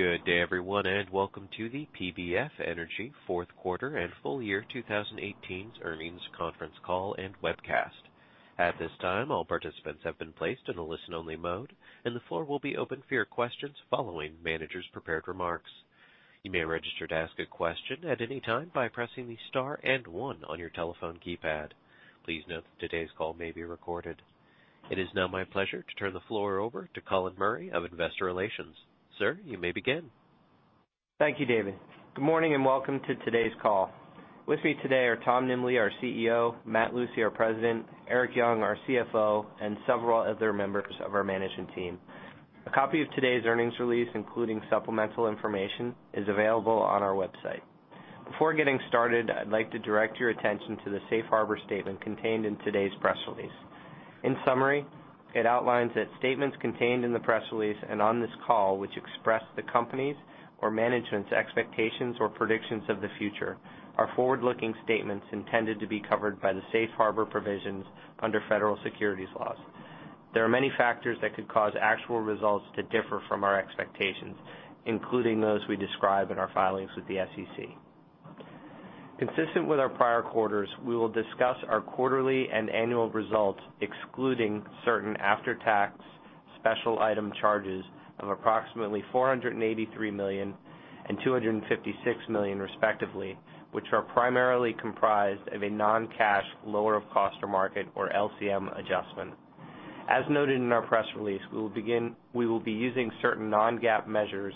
Good day, everyone, welcome to the PBF Energy fourth quarter and full year 2018 earnings conference call and webcast. At this time, all participants have been placed in a listen-only mode, the floor will be open for your questions following management's prepared remarks. You may register to ask a question at any time by pressing star 1 on your telephone keypad. Please note that today's call may be recorded. It is now my pleasure to turn the floor over to Colin Murray of Investor Relations. Sir, you may begin. Thank you, David. Good morning and welcome to today's call. With me today are Tom Nimbley, our CEO, Matt Lucey, our President, Erik Young, our CFO, and several other members of our management team. A copy of today's earnings release, including supplemental information, is available on our website. Before getting started, I'd like to direct your attention to the safe harbor statement contained in today's press release. In summary, it outlines that statements contained in the press release and on this call which express the company's or management's expectations or predictions of the future are forward-looking statements intended to be covered by the safe harbor provisions under federal securities laws. There are many factors that could cause actual results to differ from our expectations, including those we describe in our filings with the SEC. Consistent with our prior quarters, we will discuss our quarterly and annual results, excluding certain after-tax special item charges of approximately $483 million and $256 million, respectively, which are primarily comprised of a non-cash lower of cost or market, or LCM, adjustment. As noted in our press release, we will be using certain non-GAAP measures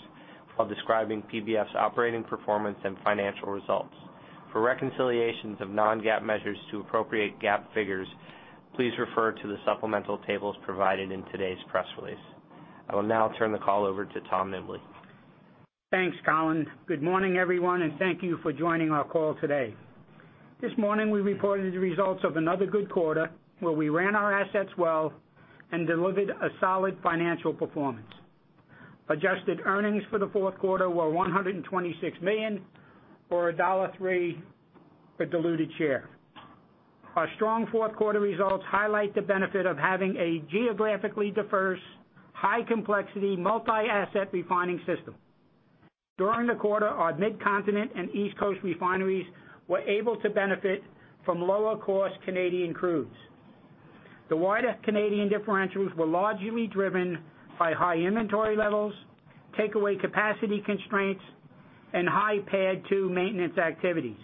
while describing PBF's operating performance and financial results. For reconciliations of non-GAAP measures to appropriate GAAP figures, please refer to the supplemental tables provided in today's press release. I will now turn the call over to Tom Nimbley. Thanks, Colin. Good morning, everyone, thank you for joining our call today. This morning, we reported the results of another good quarter where we ran our assets well and delivered a solid financial performance. Adjusted earnings for the fourth quarter were $126 million, or $1.03 per diluted share. Our strong fourth quarter results highlight the benefit of having a geographically diverse, high-complexity, multi-asset refining system. During the quarter, our Mid-Continent and East Coast refineries were able to benefit from lower-cost Canadian crudes. The wider Canadian differentials were largely driven by high inventory levels, takeaway capacity constraints, and high PADD II maintenance activities.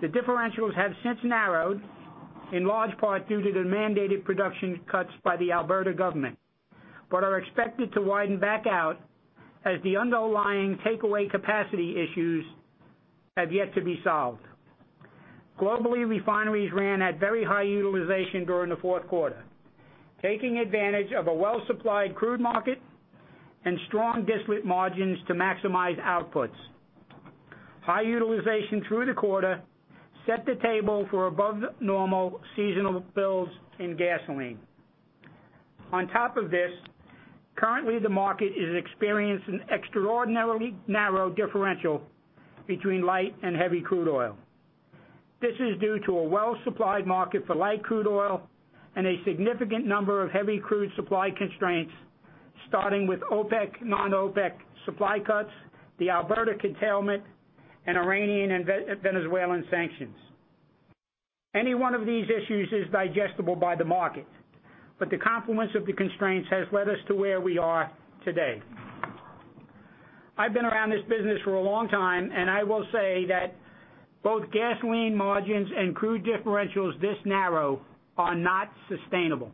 The differentials have since narrowed, in large part due to the mandated production cuts by the Alberta government, but are expected to widen back out as the underlying takeaway capacity issues have yet to be solved. Globally, refineries ran at very high utilization during the fourth quarter, taking advantage of a well-supplied crude market and strong distillate margins to maximize outputs. High utilization through the quarter set the table for above-normal seasonal builds in gasoline. On top of this, currently the market is experiencing extraordinarily narrow differential between light and heavy crude oil. This is due to a well-supplied market for light crude oil and a significant number of heavy crude supply constraints, starting with OPEC, non-OPEC supply cuts, the Alberta curtailment, and Iranian and Venezuelan sanctions. Any one of these issues is digestible by the market, but the confluence of the constraints has led us to where we are today. I've been around this business for a long time, and I will say that both gasoline margins and crude differentials this narrow are not sustainable.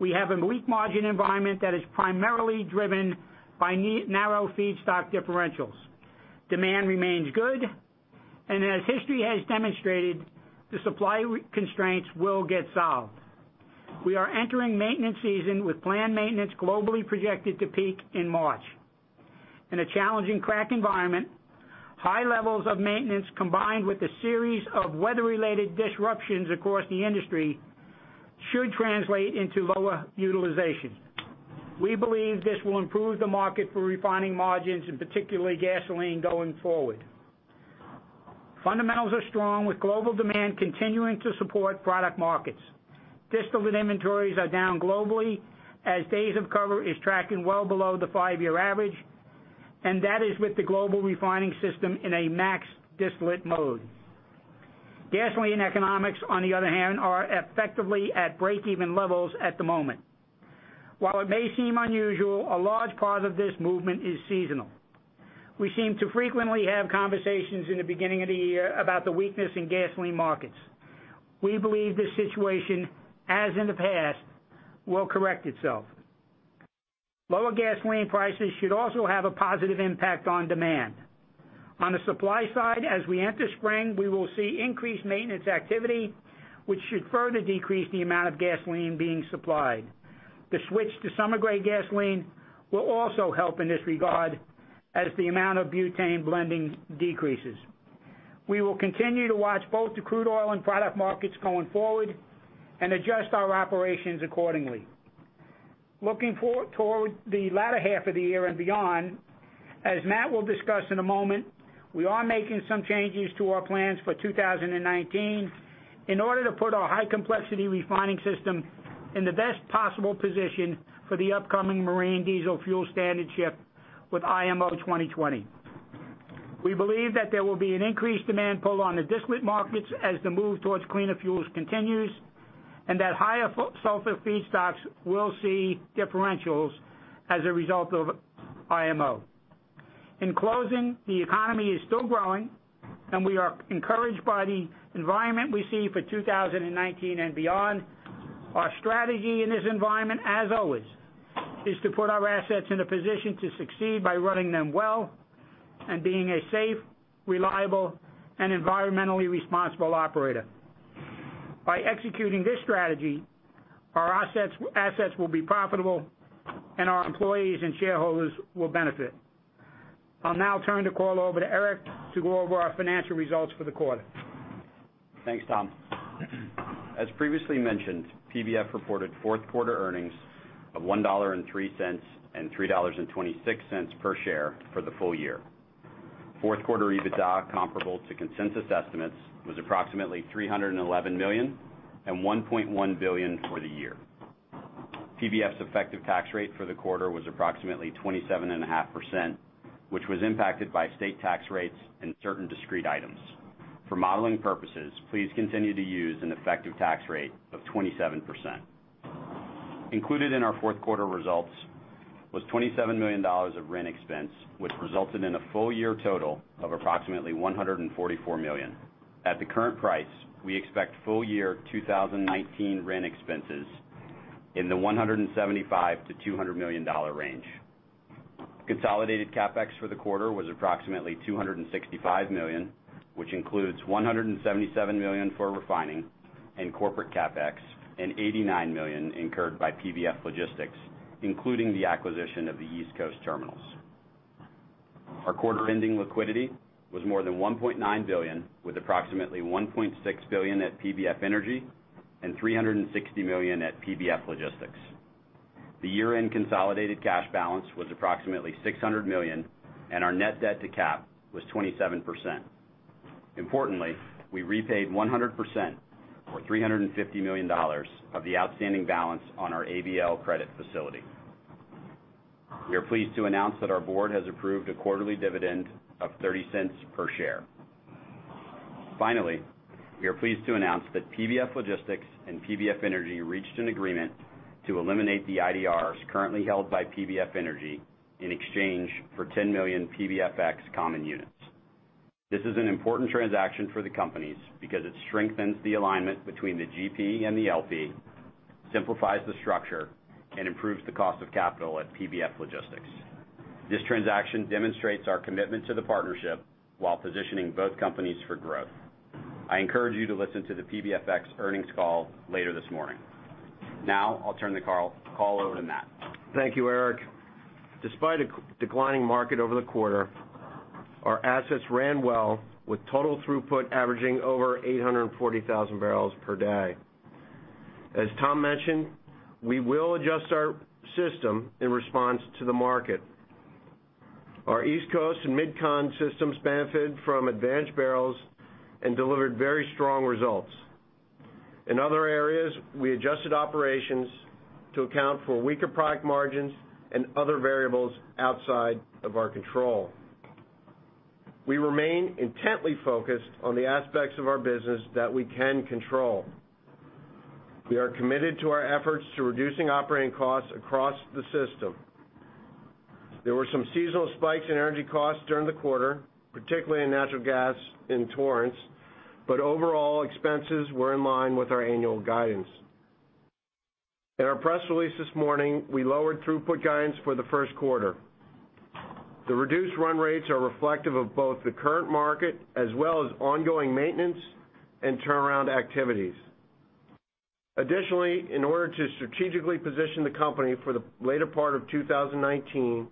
We have a weak margin environment that is primarily driven by narrow feedstock differentials. Demand remains good, and as history has demonstrated, the supply constraints will get solved. We are entering maintenance season with planned maintenance globally projected to peak in March. In a challenging crack environment, high levels of maintenance combined with a series of weather-related disruptions across the industry should translate into lower utilization. We believe this will improve the market for refining margins and particularly gasoline going forward. Fundamentals are strong with global demand continuing to support product markets. Distillate inventories are down globally as days of cover is tracking well below the five-year average, and that is with the global refining system in a max distillate mode. Gasoline economics, on the other hand, are effectively at breakeven levels at the moment. While it may seem unusual, a large part of this movement is seasonal. We seem to frequently have conversations in the beginning of the year about the weakness in gasoline markets. We believe this situation, as in the past, will correct itself. Lower gasoline prices should also have a positive impact on demand. On the supply side, as we enter spring, we will see increased maintenance activity, which should further decrease the amount of gasoline being supplied. The switch to summer-grade gasoline will also help in this regard as the amount of butane blending decreases. We will continue to watch both the crude oil and product markets going forward and adjust our operations accordingly. Looking forward toward the latter half of the year and beyond. As Matt will discuss in a moment, we are making some changes to our plans for 2019 in order to put our high-complexity refining system in the best possible position for the upcoming marine diesel fuel standard shift with IMO 2020. We believe that there will be an increased demand pull on the distillate markets as the move towards cleaner fuels continues, and that higher sulfur feedstocks will see differentials as a result of IMO. In closing, the economy is still growing and we are encouraged by the environment we see for 2019 and beyond. Our strategy in this environment, as always, is to put our assets in a position to succeed by running them well and being a safe, reliable, and environmentally responsible operator. By executing this strategy, our assets will be profitable and our employees and shareholders will benefit. I'll now turn the call over to Erik to go over our financial results for the quarter. Thanks, Tom. As previously mentioned, PBF reported fourth quarter earnings of $1.03 and $3.26 per share for the full year. Fourth quarter EBITDA comparable to consensus estimates was approximately $311 million and $1.1 billion for the year. PBF's effective tax rate for the quarter was approximately 27.5%, which was impacted by state tax rates and certain discrete items. For modeling purposes, please continue to use an effective tax rate of 27%. Included in our fourth quarter results was $27 million of rent expense, which resulted in a full year total of approximately $144 million. At the current price, we expect full year 2019 rent expenses in the $175 million-$200 million range. Consolidated CapEx for the quarter was approximately $265 million, which includes $177 million for refining and corporate CapEx, and $89 million incurred by PBF Logistics, including the acquisition of the East Coast terminals. Our quarter-ending liquidity was more than $1.9 billion, with approximately $1.6 billion at PBF Energy and $360 million at PBF Logistics. The year-end consolidated cash balance was approximately $600 million, and our net debt to cap was 27%. Importantly, we repaid 100%, or $350 million, of the outstanding balance on our ABL credit facility. We are pleased to announce that our board has approved a quarterly dividend of $0.30 per share. Finally, we are pleased to announce that PBF Logistics and PBF Energy reached an agreement to eliminate the IDRs currently held by PBF Energy in exchange for 10 million PBFX common units. This is an important transaction for the companies because it strengthens the alignment between the GP and the LP, simplifies the structure, and improves the cost of capital at PBF Logistics. This transaction demonstrates our commitment to the partnership while positioning both companies for growth. I encourage you to listen to the PBFX earnings call later this morning. Now, I'll turn the call over to Matt. Thank you, Erik. Despite a declining market over the quarter, our assets ran well with total throughput averaging over 840,000 barrels per day. As Tom mentioned, we will adjust our system in response to the market. Our East Coast and MidCon systems benefited from advanced barrels and delivered very strong results. In other areas, we adjusted operations to account for weaker product margins and other variables outside of our control. We remain intently focused on the aspects of our business that we can control. We are committed to our efforts to reducing operating costs across the system. There were some seasonal spikes in energy costs during the quarter, particularly in natural gas in Torrance, but overall expenses were in line with our annual guidance. In our press release this morning, we lowered throughput guidance for the first quarter. The reduced run rates are reflective of both the current market as well as ongoing maintenance and turnaround activities. Additionally, in order to strategically position the company for the later part of 2019,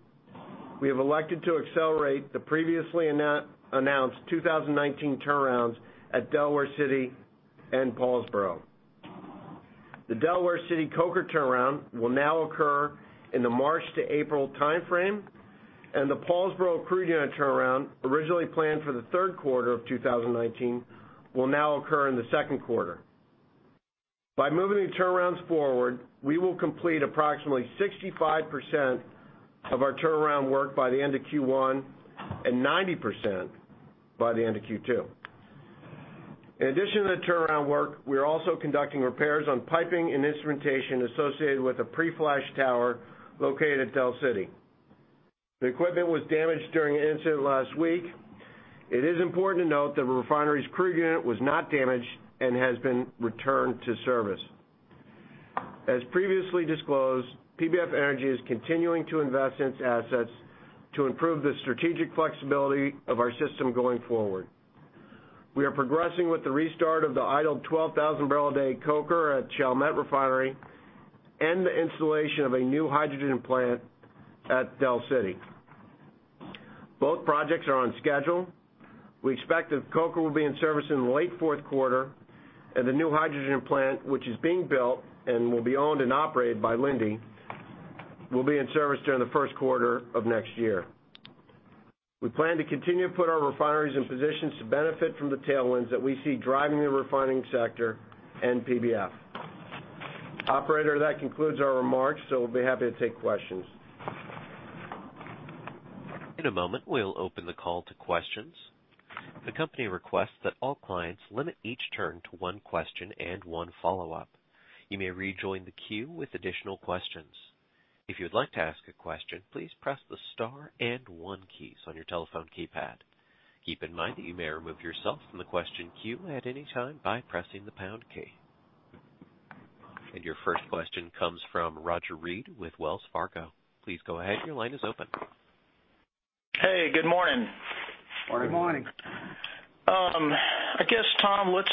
we have elected to accelerate the previously announced 2019 turnarounds at Delaware City and Paulsboro. The Delaware City coker turnaround will now occur in the March to April timeframe, and the Paulsboro crude unit turnaround, originally planned for the third quarter of 2019, will now occur in the second quarter. By moving the turnarounds forward, we will complete approximately 65% of our turnaround work by the end of Q1, and 90% by the end of Q2. In addition to the turnaround work, we are also conducting repairs on piping and instrumentation associated with the pre-flash tower located at Del City. The equipment was damaged during an incident last week. It is important to note the refinery's crude unit was not damaged and has been returned to service. As previously disclosed, PBF Energy is continuing to invest in its assets to improve the strategic flexibility of our system going forward. We are progressing with the restart of the idled 12,000-barrel-a-day coker at Chalmette Refinery and the installation of a new hydrogen plant at Del City. Both projects are on schedule. We expect that the coker will be in service in late fourth quarter, and the new hydrogen plant, which is being built and will be owned and operated by Linde, will be in service during the first quarter of next year. We plan to continue to put our refineries in positions to benefit from the tailwinds that we see driving the refining sector and PBF. Operator, that concludes our remarks, so we'll be happy to take questions. In a moment, we'll open the call to questions. The company requests that all clients limit each turn to one question and one follow-up. You may rejoin the queue with additional questions. If you'd like to ask a question, please press the star and one keys on your telephone keypad. Keep in mind that you may remove yourself from the question queue at any time by pressing the pound key. And your first question comes from Roger Read with Wells Fargo. Please go ahead. Your line is open. Hey, good morning. Morning. Good morning. I guess, Tom, let's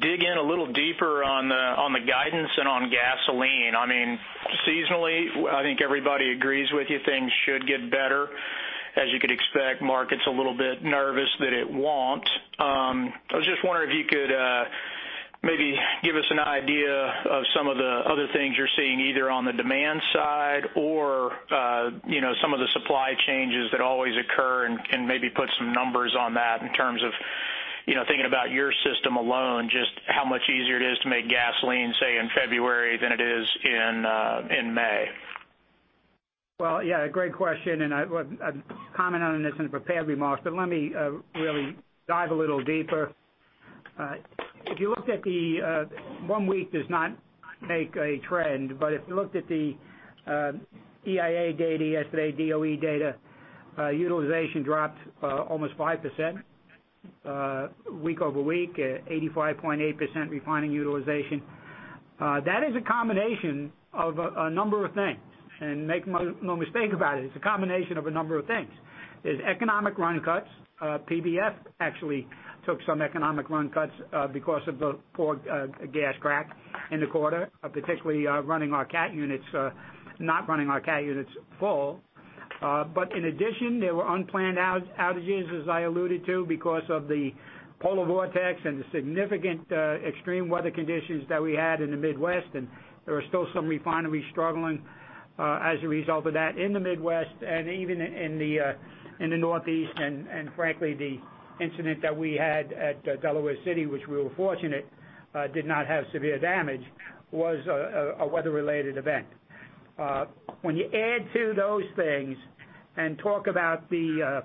dig in a little deeper on the guidance and on gasoline. Seasonally, I think everybody agrees with you, things should get better. As you could expect, market's a little bit nervous that it won't. I was just wondering if you could maybe give us an idea of some of the other things you're seeing, either on the demand side or some of the supply changes that always occur, and maybe put some numbers on that in terms of thinking about your system alone, just how much easier it is to make gasoline, say, in February than it is in May. Well, yeah, great question, and I commented on this in prepared remarks, but let me really dive a little deeper. One week does not make a trend, but if you looked at the EIA data yesterday, DOE data, utilization dropped almost 5% week-over-week, 85.8% refining utilization. That is a combination of a number of things. Make no mistake about it's a combination of a number of things. There's economic run cuts. PBF actually took some economic run cuts because of the poor gas crack in the quarter, particularly not running our cat units full. In addition, there were unplanned outages, as I alluded to, because of the polar vortex and the significant extreme weather conditions that we had in the Midwest, and there are still some refineries struggling as a result of that in the Midwest and even in the Northeast. Frankly, the incident that we had at Delaware City, which we were fortunate did not have severe damage, was a weather-related event. When you add to those things and talk about the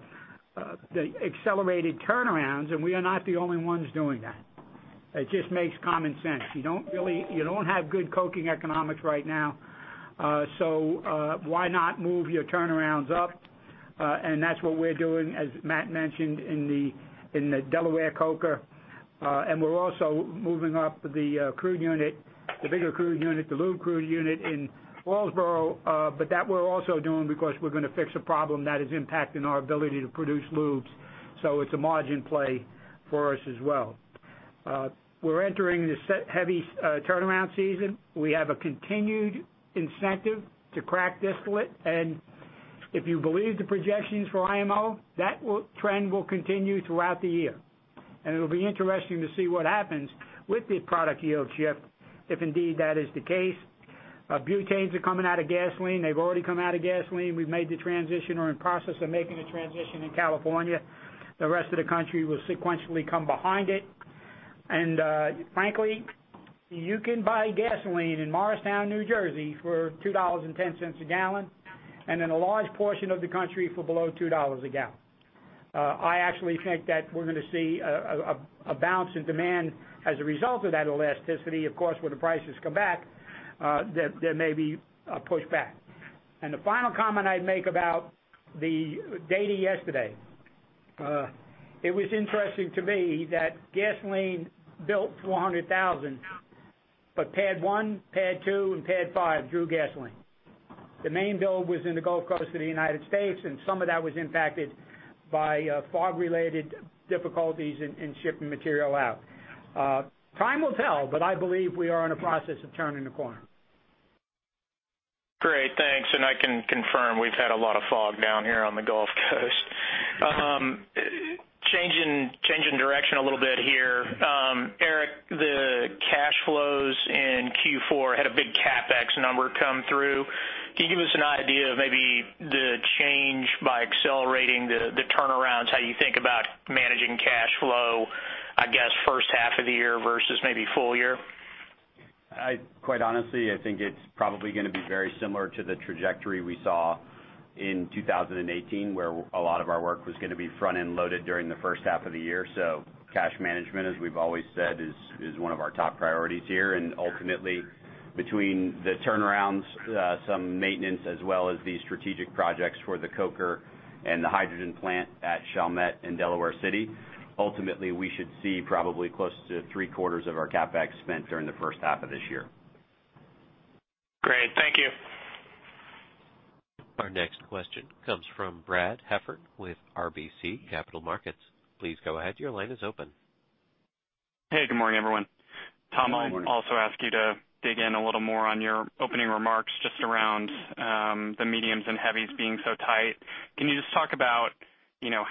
accelerated turnarounds, we are not the only ones doing that. It just makes common sense. You don't have good coking economics right now, why not move your turnarounds up? That's what we're doing, as Matt mentioned, in the Delaware coker. We're also moving up the bigger crude unit, the lube crude unit in Paulsboro. That we're also doing because we're going to fix a problem that is impacting our ability to produce lubes. It's a margin play for us as well. We're entering the heavy turnaround season. We have a continued incentive to crack distillate, if you believe the projections for IMO, that trend will continue throughout the year. It'll be interesting to see what happens with the product yield shift, if indeed that is the case. Butanes are coming out of gasoline. They've already come out of gasoline. We've made the transition or are in process of making the transition in California. The rest of the country will sequentially come behind it. Frankly, you can buy gasoline in Morristown, New Jersey for $2.10 a gallon, in a large portion of the country for below $2 a gallon. I actually think that we're going to see a bounce in demand as a result of that elasticity. Of course, when the prices come back, there may be a pushback. The final comment I'd make about the data yesterday. It was interesting to me that gasoline built 400,000, but PADD I, PADD II, and PADD V drew gasoline. The main build was in the Gulf Coast of the U.S., and some of that was impacted by fog-related difficulties in shipping material out. Time will tell, I believe we are in a process of turning the corner. Great. Thanks. I can confirm we've had a lot of fog down here on the Gulf Coast. Changing direction a little bit here. Erik, the cash flows in Q4 had a big CapEx number come through. Can you give us an idea of maybe the change by accelerating the turnarounds, how you think about managing cash flow, I guess, first half of the year versus maybe full year? Quite honestly, I think it's probably going to be very similar to the trajectory we saw in 2018, where a lot of our work was going to be front-end loaded during the first half of the year. Cash management, as we've always said, is one of our top priorities here. Ultimately, between the turnarounds, some maintenance, as well as the strategic projects for the coker and the hydrogen plant at Chalmette in Delaware City, ultimately, we should see probably close to three-quarters of our CapEx spent during the first half of this year. Great. Thank you. Our next question comes from Brad Heffern with RBC Capital Markets. Please go ahead. Your line is open. Hey, good morning, everyone. Good morning. Tom, I'll also ask you to dig in a little more on your opening remarks just around the mediums and heavies being so tight. Can you just talk about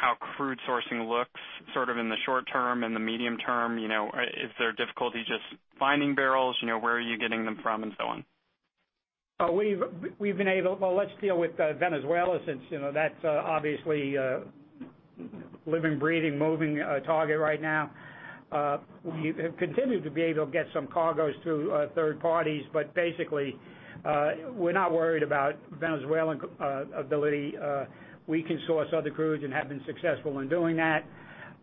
how crude sourcing looks in the short term and the medium term? Is there difficulty just finding barrels, where are you getting them from and so on? Let's deal with Venezuela since that's obviously a living, breathing, moving target right now. We have continued to be able to get some cargoes through third parties, but basically, we're not worried about Venezuelan ability. We can source other crudes and have been successful in doing that.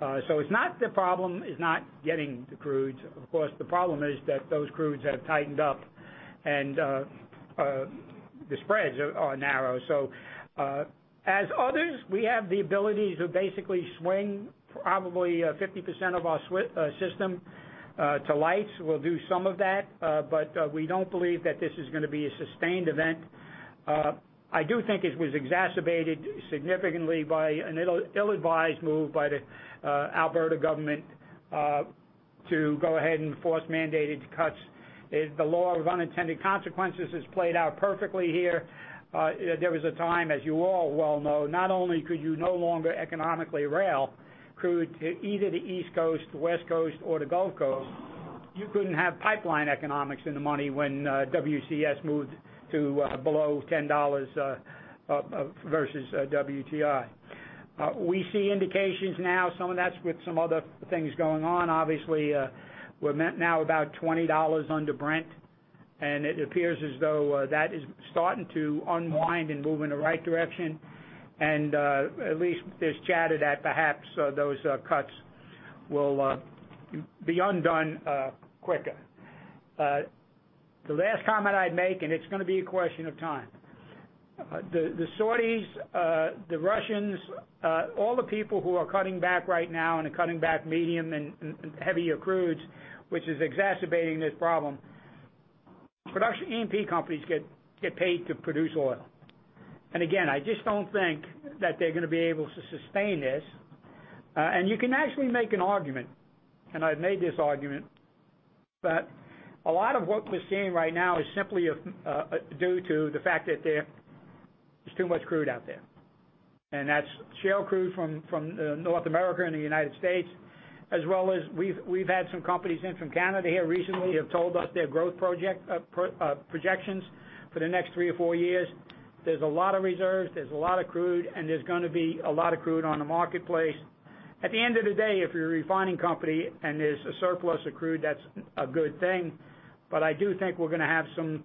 The problem is not getting the crudes. Of course, the problem is that those crudes have tightened up and the spreads are narrow. As others, we have the ability to basically swing probably 50% of our system to lights. We'll do some of that. We don't believe that this is going to be a sustained event. I do think it was exacerbated significantly by an ill-advised move by the Alberta government to go ahead and force mandated cuts. The law of unintended consequences has played out perfectly here. There was a time, as you all well know, not only could you no longer economically rail crude to either the East Coast, the West Coast, or the Gulf Coast, you couldn't have pipeline economics in the money when WCS moved to below $10 versus WTI. We see indications now, some of that's with some other things going on. Obviously, we're now about $20 under Brent, and it appears as though that is starting to unwind and move in the right direction. At least there's chatter that perhaps those cuts will be undone quicker. The last comment I'd make, and it's going to be a question of time. The Saudis, the Russians, all the people who are cutting back right now and are cutting back medium and heavier crudes, which is exacerbating this problem. E&P companies get paid to produce oil. Again, I just don't think that they're going to be able to sustain this. You can actually make an argument, and I've made this argument, but a lot of what we're seeing right now is simply due to the fact that there's too much crude out there. That's shale crude from North America and the U.S., as well as we've had some companies in from Canada here recently have told us their growth projections for the next three or four years. There's a lot of reserves, there's a lot of crude, and there's going to be a lot of crude on the marketplace. At the end of the day, if you're a refining company and there's a surplus of crude, that's a good thing. I do think we're going to have some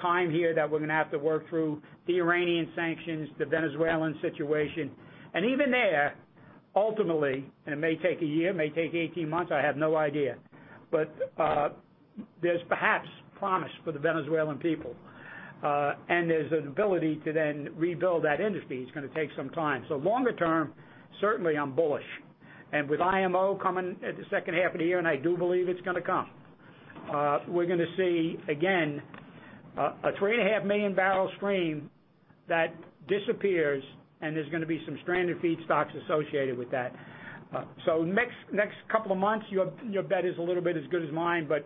time here that we're going to have to work through the Iranian sanctions, the Venezuelan situation. Even there, ultimately, and it may take a year, may take 18 months, I have no idea. There's perhaps promise for the Venezuelan people. There's an ability to then rebuild that industry. It's going to take some time. Longer term, certainly I'm bullish. With IMO coming the second half of the year, and I do believe it's going to come, we're going to see, again, a three and a half million barrel stream that disappears, and there's going to be some stranded feedstocks associated with that. Next couple of months, your bet is a little bit as good as mine, but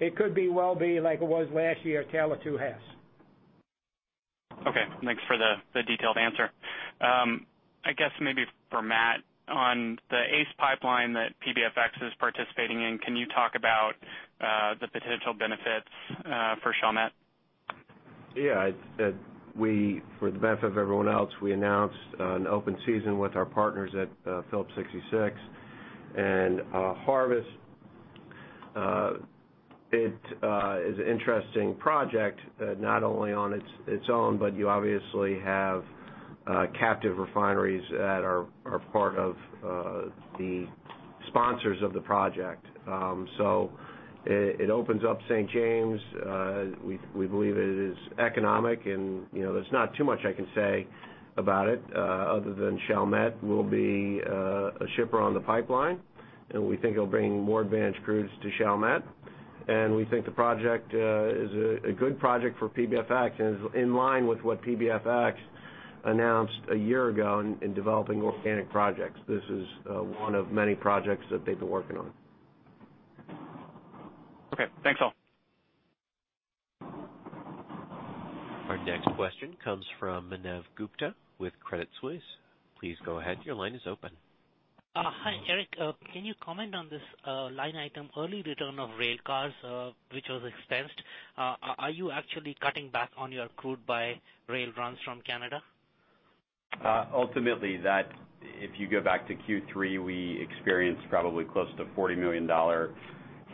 it could very well be like it was last year, a tale of two halves. Okay. Thanks for the detailed answer. I guess maybe for Matt, on the ACE Pipeline that PBFX is participating in, can you talk about the potential benefits for Chalmette? Yeah. For the benefit of everyone else, we announced an open season with our partners at Phillips 66. Harvest, it is an interesting project, not only on its own, but you obviously have captive refineries that are part of the sponsors of the project. It opens up St. James. We believe it is economic and there's not too much I can say about it other than Chalmette will be a shipper on the pipeline, and we think it'll bring more advanced crudes to Chalmette. We think the project is a good project for PBFX and is in line with what PBFX announced a year ago in developing organic projects. This is one of many projects that they've been working on. Okay. Thanks, all. Our next question comes from Manav Gupta with Credit Suisse. Please go ahead, your line is open. Hi, Erik. Can you comment on this line item, early return of railcars, which was expensed. Are you actually cutting back on your crude by rail runs from Canada? Ultimately, if you go back to Q3, we experienced probably close to $40 million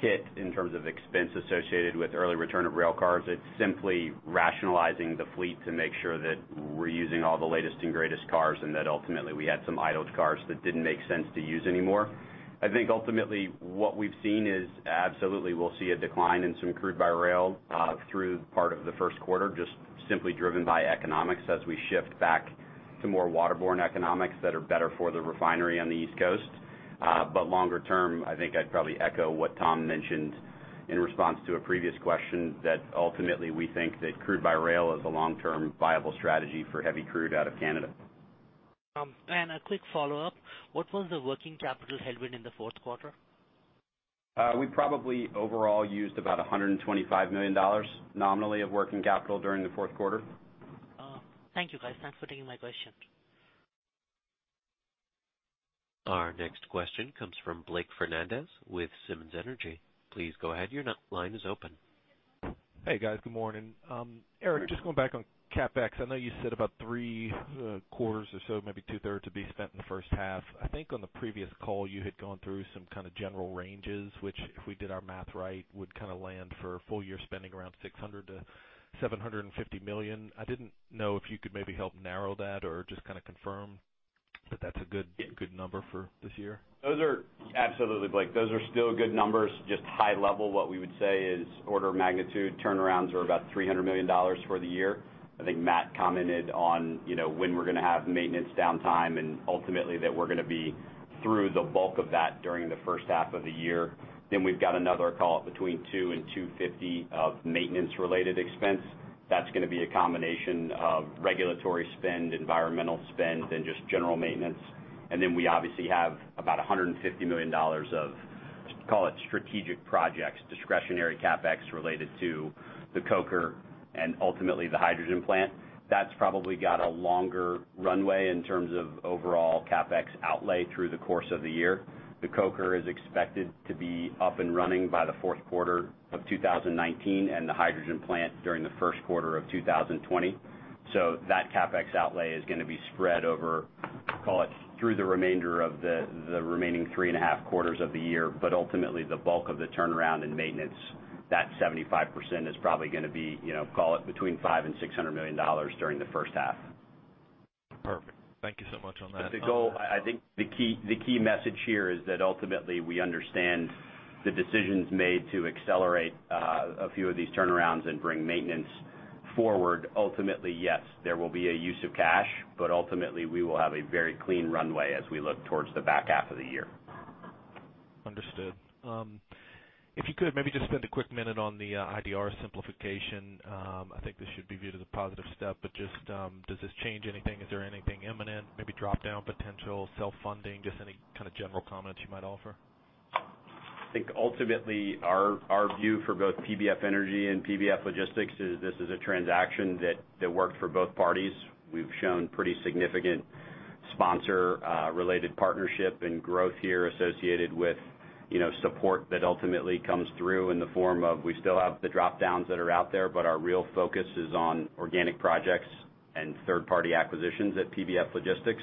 hit in terms of expense associated with early return of railcars. It's simply rationalizing the fleet to make sure that we're using all the latest and greatest cars and that ultimately we had some idled cars that didn't make sense to use anymore. I think ultimately what we've seen is absolutely we'll see a decline in some crude by rail through part of the first quarter, just simply driven by economics as we shift back to more waterborne economics that are better for the refinery on the East Coast. Longer term, I think I'd probably echo what Thomas mentioned in response to a previous question that ultimately we think that crude by rail is a long-term viable strategy for heavy crude out of Canada. A quick follow-up. What was the working capital headwind in the fourth quarter? We probably, overall, used about $125 million nominally of working capital during the fourth quarter. Thank you, guys. Thanks for taking my question. Our next question comes from Blake Fernandez with Simmons Energy. Please go ahead. Your line is open. Hey, guys. Good morning. Erik, just going back on CapEx. I know you said about three quarters or so, maybe two-thirds, would be spent in the first half. I think on the previous call, you had gone through some kind of general ranges, which, if we did our math right, would kind of land for full year spending around $600 million to $750 million. I didn't know if you could maybe help narrow that or just kind of confirm that that's a good number for this year. Absolutely, Blake. Those are still good numbers. Just high level, what we would say is order of magnitude turnarounds are about $300 million for the year. I think Matt commented on when we're going to have maintenance downtime, and ultimately that we're going to be through the bulk of that during the first half of the year. We've got another call it between $200 million and $250 million of maintenance-related expense. That's going to be a combination of regulatory spend, environmental spend, and just general maintenance. We obviously have about $150 million of, call it, strategic projects, discretionary CapEx related to the coker and ultimately the hydrogen plant. That's probably got a longer runway in terms of overall CapEx outlay through the course of the year. The coker is expected to be up and running by the fourth quarter of 2019, and the hydrogen plant during the first quarter of 2020. That CapEx outlay is going to be spread over, call it, through the remaining three and a half quarters of the year. Ultimately, the bulk of the turnaround in maintenance, that 75% is probably going to be, call it, between $500 million and $600 million during the first half. Perfect. Thank you so much on that. The goal, I think the key message here is that ultimately we understand the decisions made to accelerate a few of these turnarounds and bring maintenance forward. Ultimately, yes, there will be a use of cash, ultimately we will have a very clean runway as we look towards the back half of the year. Understood. If you could, maybe just spend a quick minute on the IDR simplification. I think this should be viewed as a positive step, just does this change anything? Is there anything imminent, maybe drop-down potential, self-funding? Just any kind of general comments you might offer. I think ultimately our view for both PBF Energy and PBF Logistics is this is a transaction that worked for both parties. We've shown pretty significant sponsor-related partnership and growth here associated with support that ultimately comes through in the form of, we still have the drop-downs that are out there, our real focus is on organic projects and third-party acquisitions at PBF Logistics.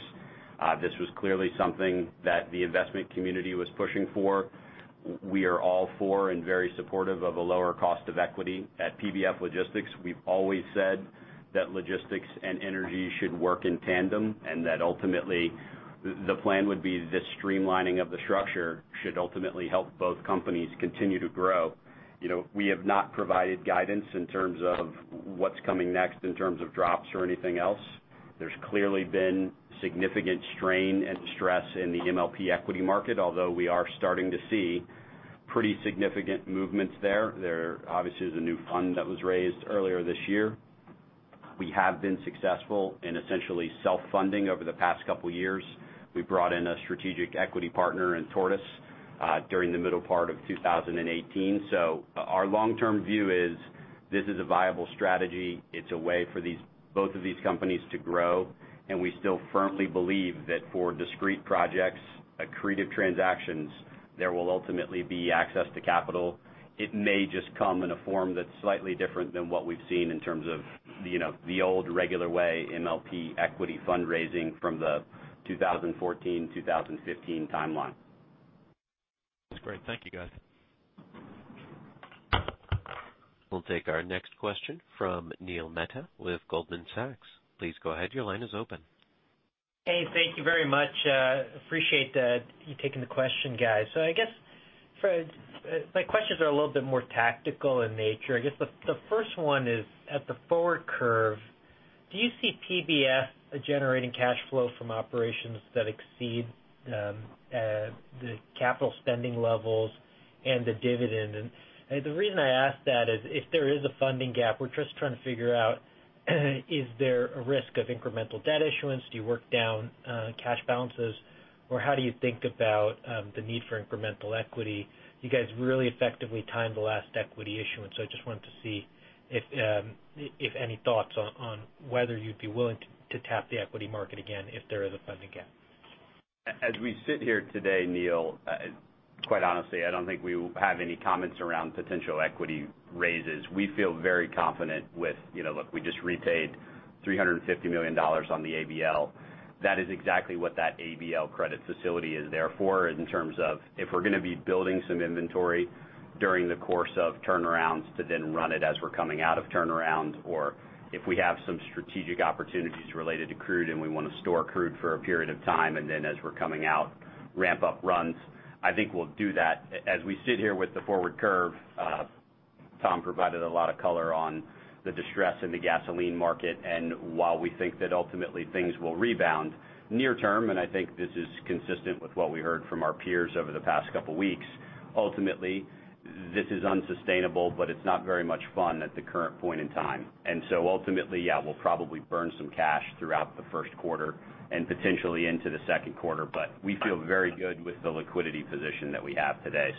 This was clearly something that the investment community was pushing for. We are all for and very supportive of a lower cost of equity. At PBF Logistics, we've always said that logistics and energy should work in tandem, ultimately, the plan would be this streamlining of the structure should ultimately help both companies continue to grow. We have not provided guidance in terms of what's coming next in terms of drops or anything else. There's clearly been significant strain and stress in the MLP equity market, although we are starting to see pretty significant movements there. There obviously is a new fund that was raised earlier this year. We have been successful in essentially self-funding over the past couple of years. We brought in a strategic equity partner in Tortoise during the middle part of 2018. Our long-term view is this is a viable strategy. It's a way for both of these companies to grow, we still firmly believe that for discrete projects, accretive transactions, there will ultimately be access to capital. It may just come in a form that's slightly different than what we've seen in terms of the old regular way, MLP equity fundraising from the 2014, 2015 timeline. That's great. Thank you, guys. We'll take our next question from Neil Mehta with Goldman Sachs. Please go ahead. Your line is open. Hey, thank you very much. Appreciate you taking the question, guys. I guess my questions are a little bit more tactical in nature. I guess the first one is, at the forward curve, do you see PBF generating cash flow from operations that exceed the capital spending levels and the dividend? The reason I ask that is if there is a funding gap, we're just trying to figure out is there a risk of incremental debt issuance? Do you work down cash balances, or how do you think about the need for incremental equity? You guys really effectively timed the last equity issuance. I just wanted to see if any thoughts on whether you'd be willing to tap the equity market again if there is a funding gap. As we sit here today, Neil, quite honestly, I don't think we have any comments around potential equity raises. We feel very confident. Look, we just repaid $350 million on the ABL. That is exactly what that ABL credit facility is there for, in terms of if we're going to be building some inventory during the course of turnarounds to then run it as we're coming out of turnarounds, or if we have some strategic opportunities related to crude and we want to store crude for a period of time, and then as we're coming out, ramp up runs. I think we'll do that. As we sit here with the forward curve. Tom provided a lot of color on the distress in the gasoline market, and while we think that ultimately things will rebound near term, and I think this is consistent with what we heard from our peers over the past couple of weeks, ultimately, this is unsustainable, but it's not very much fun at the current point in time. Ultimately, yeah, we'll probably burn some cash throughout the first quarter and potentially into the second quarter. We feel very good with the liquidity position that we have today.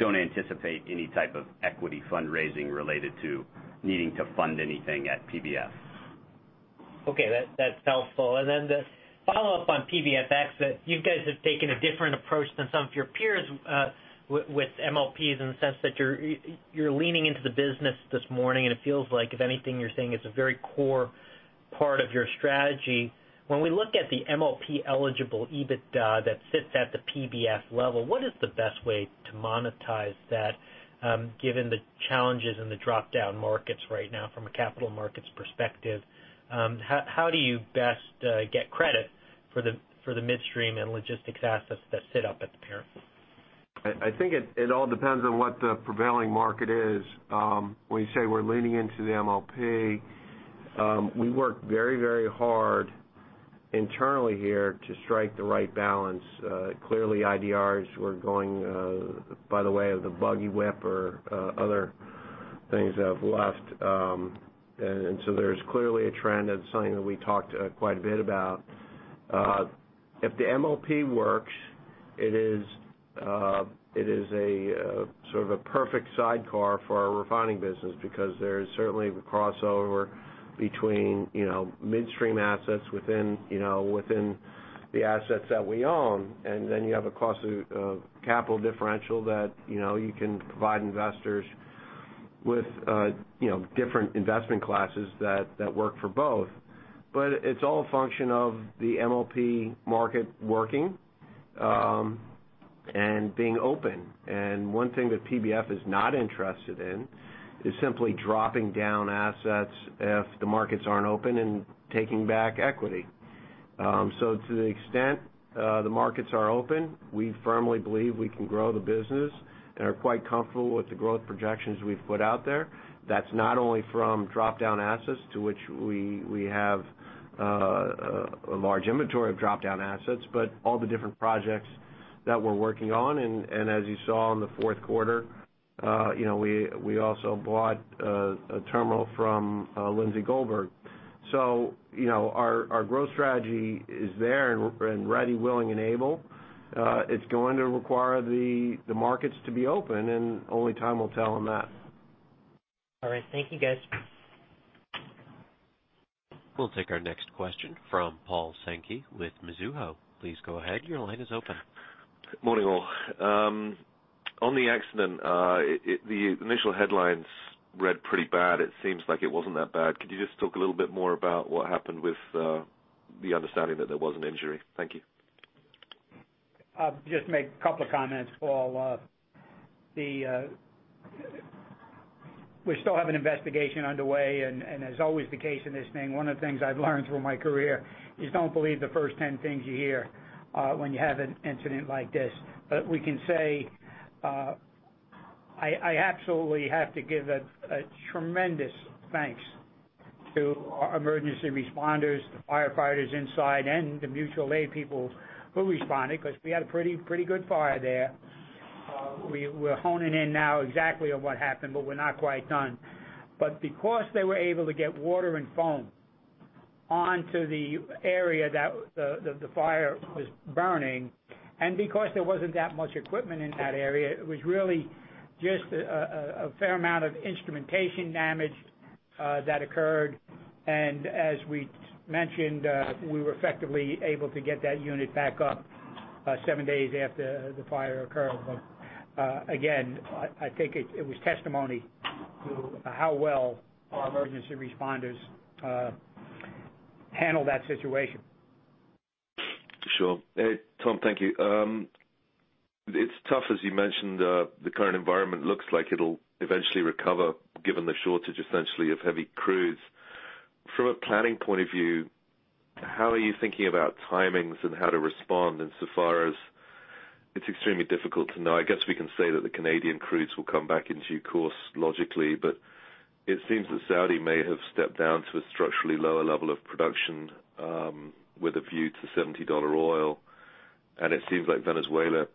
Don't anticipate any type of equity fundraising related to needing to fund anything at PBF. Okay, that's helpful. Then the follow-up on PBFX, that you guys have taken a different approach than some of your peers with MLPs in the sense that you're leaning into the business this morning, and it feels like, if anything, you're saying it's a very core part of your strategy. When we look at the MLP-eligible EBITDA that sits at the PBF level, what is the best way to monetize that, given the challenges in the drop-down markets right now from a capital markets perspective? How do you best get credit for the midstream and logistics assets that sit up at the parent? I think it all depends on what the prevailing market is. When you say we're leaning into the MLP, we work very hard internally here to strike the right balance. Clearly, IDRs were going by the way of the buggy whip or other things that have left. There's clearly a trend, and something that we talked quite a bit about. If the MLP works, it is a sort of a perfect sidecar for our refining business because there is certainly the crossover between midstream assets within the assets that we own. Then you have a cost of capital differential that you can provide investors with different investment classes that work for both. It's all a function of the MLP market working and being open. One thing that PBF is not interested in is simply dropping down assets if the markets aren't open and taking back equity. To the extent the markets are open, we firmly believe we can grow the business and are quite comfortable with the growth projections we've put out there. That's not only from drop-down assets to which we have a large inventory of drop-down assets, but all the different projects that we're working on. As you saw in the fourth quarter, we also bought a terminal from Lindsay Goldberg. Our growth strategy is there and ready, willing, and able. It's going to require the markets to be open, and only time will tell on that. All right. Thank you, guys. We'll take our next question from Paul Sankey with Mizuho. Please go ahead. Your line is open. Morning, all. On the accident, the initial headlines read pretty bad. It seems like it wasn't that bad. Could you just talk a little bit more about what happened with the understanding that there was an injury? Thank you. I'll just make a couple of comments, Paul. We still have an investigation underway, and as always the case in this thing, one of the things I've learned through my career is don't believe the first 10 things you hear when you have an incident like this. We can say, I absolutely have to give a tremendous thanks to our emergency responders, the firefighters inside, and the mutual aid people who responded, because we had a pretty good fire there. We're honing in now exactly on what happened, but we're not quite done. Because they were able to get water and foam onto the area that the fire was burning, and because there wasn't that much equipment in that area, it was really just a fair amount of instrumentation damage that occurred. As we mentioned, we were effectively able to get that unit back up seven days after the fire occurred. Again, I think it was testimony to how well our emergency responders handled that situation. Sure. Tom, thank you. It's tough, as you mentioned, the current environment looks like it'll eventually recover, given the shortage essentially of heavy crudes. From a planning point of view, how are you thinking about timings and how to respond in so far as it's extremely difficult to know? I guess we can say that the Canadian crudes will come back into course logically, it seems that Saudi may have stepped down to a structurally lower level of production with a view to $70 oil, it seems like Venezuela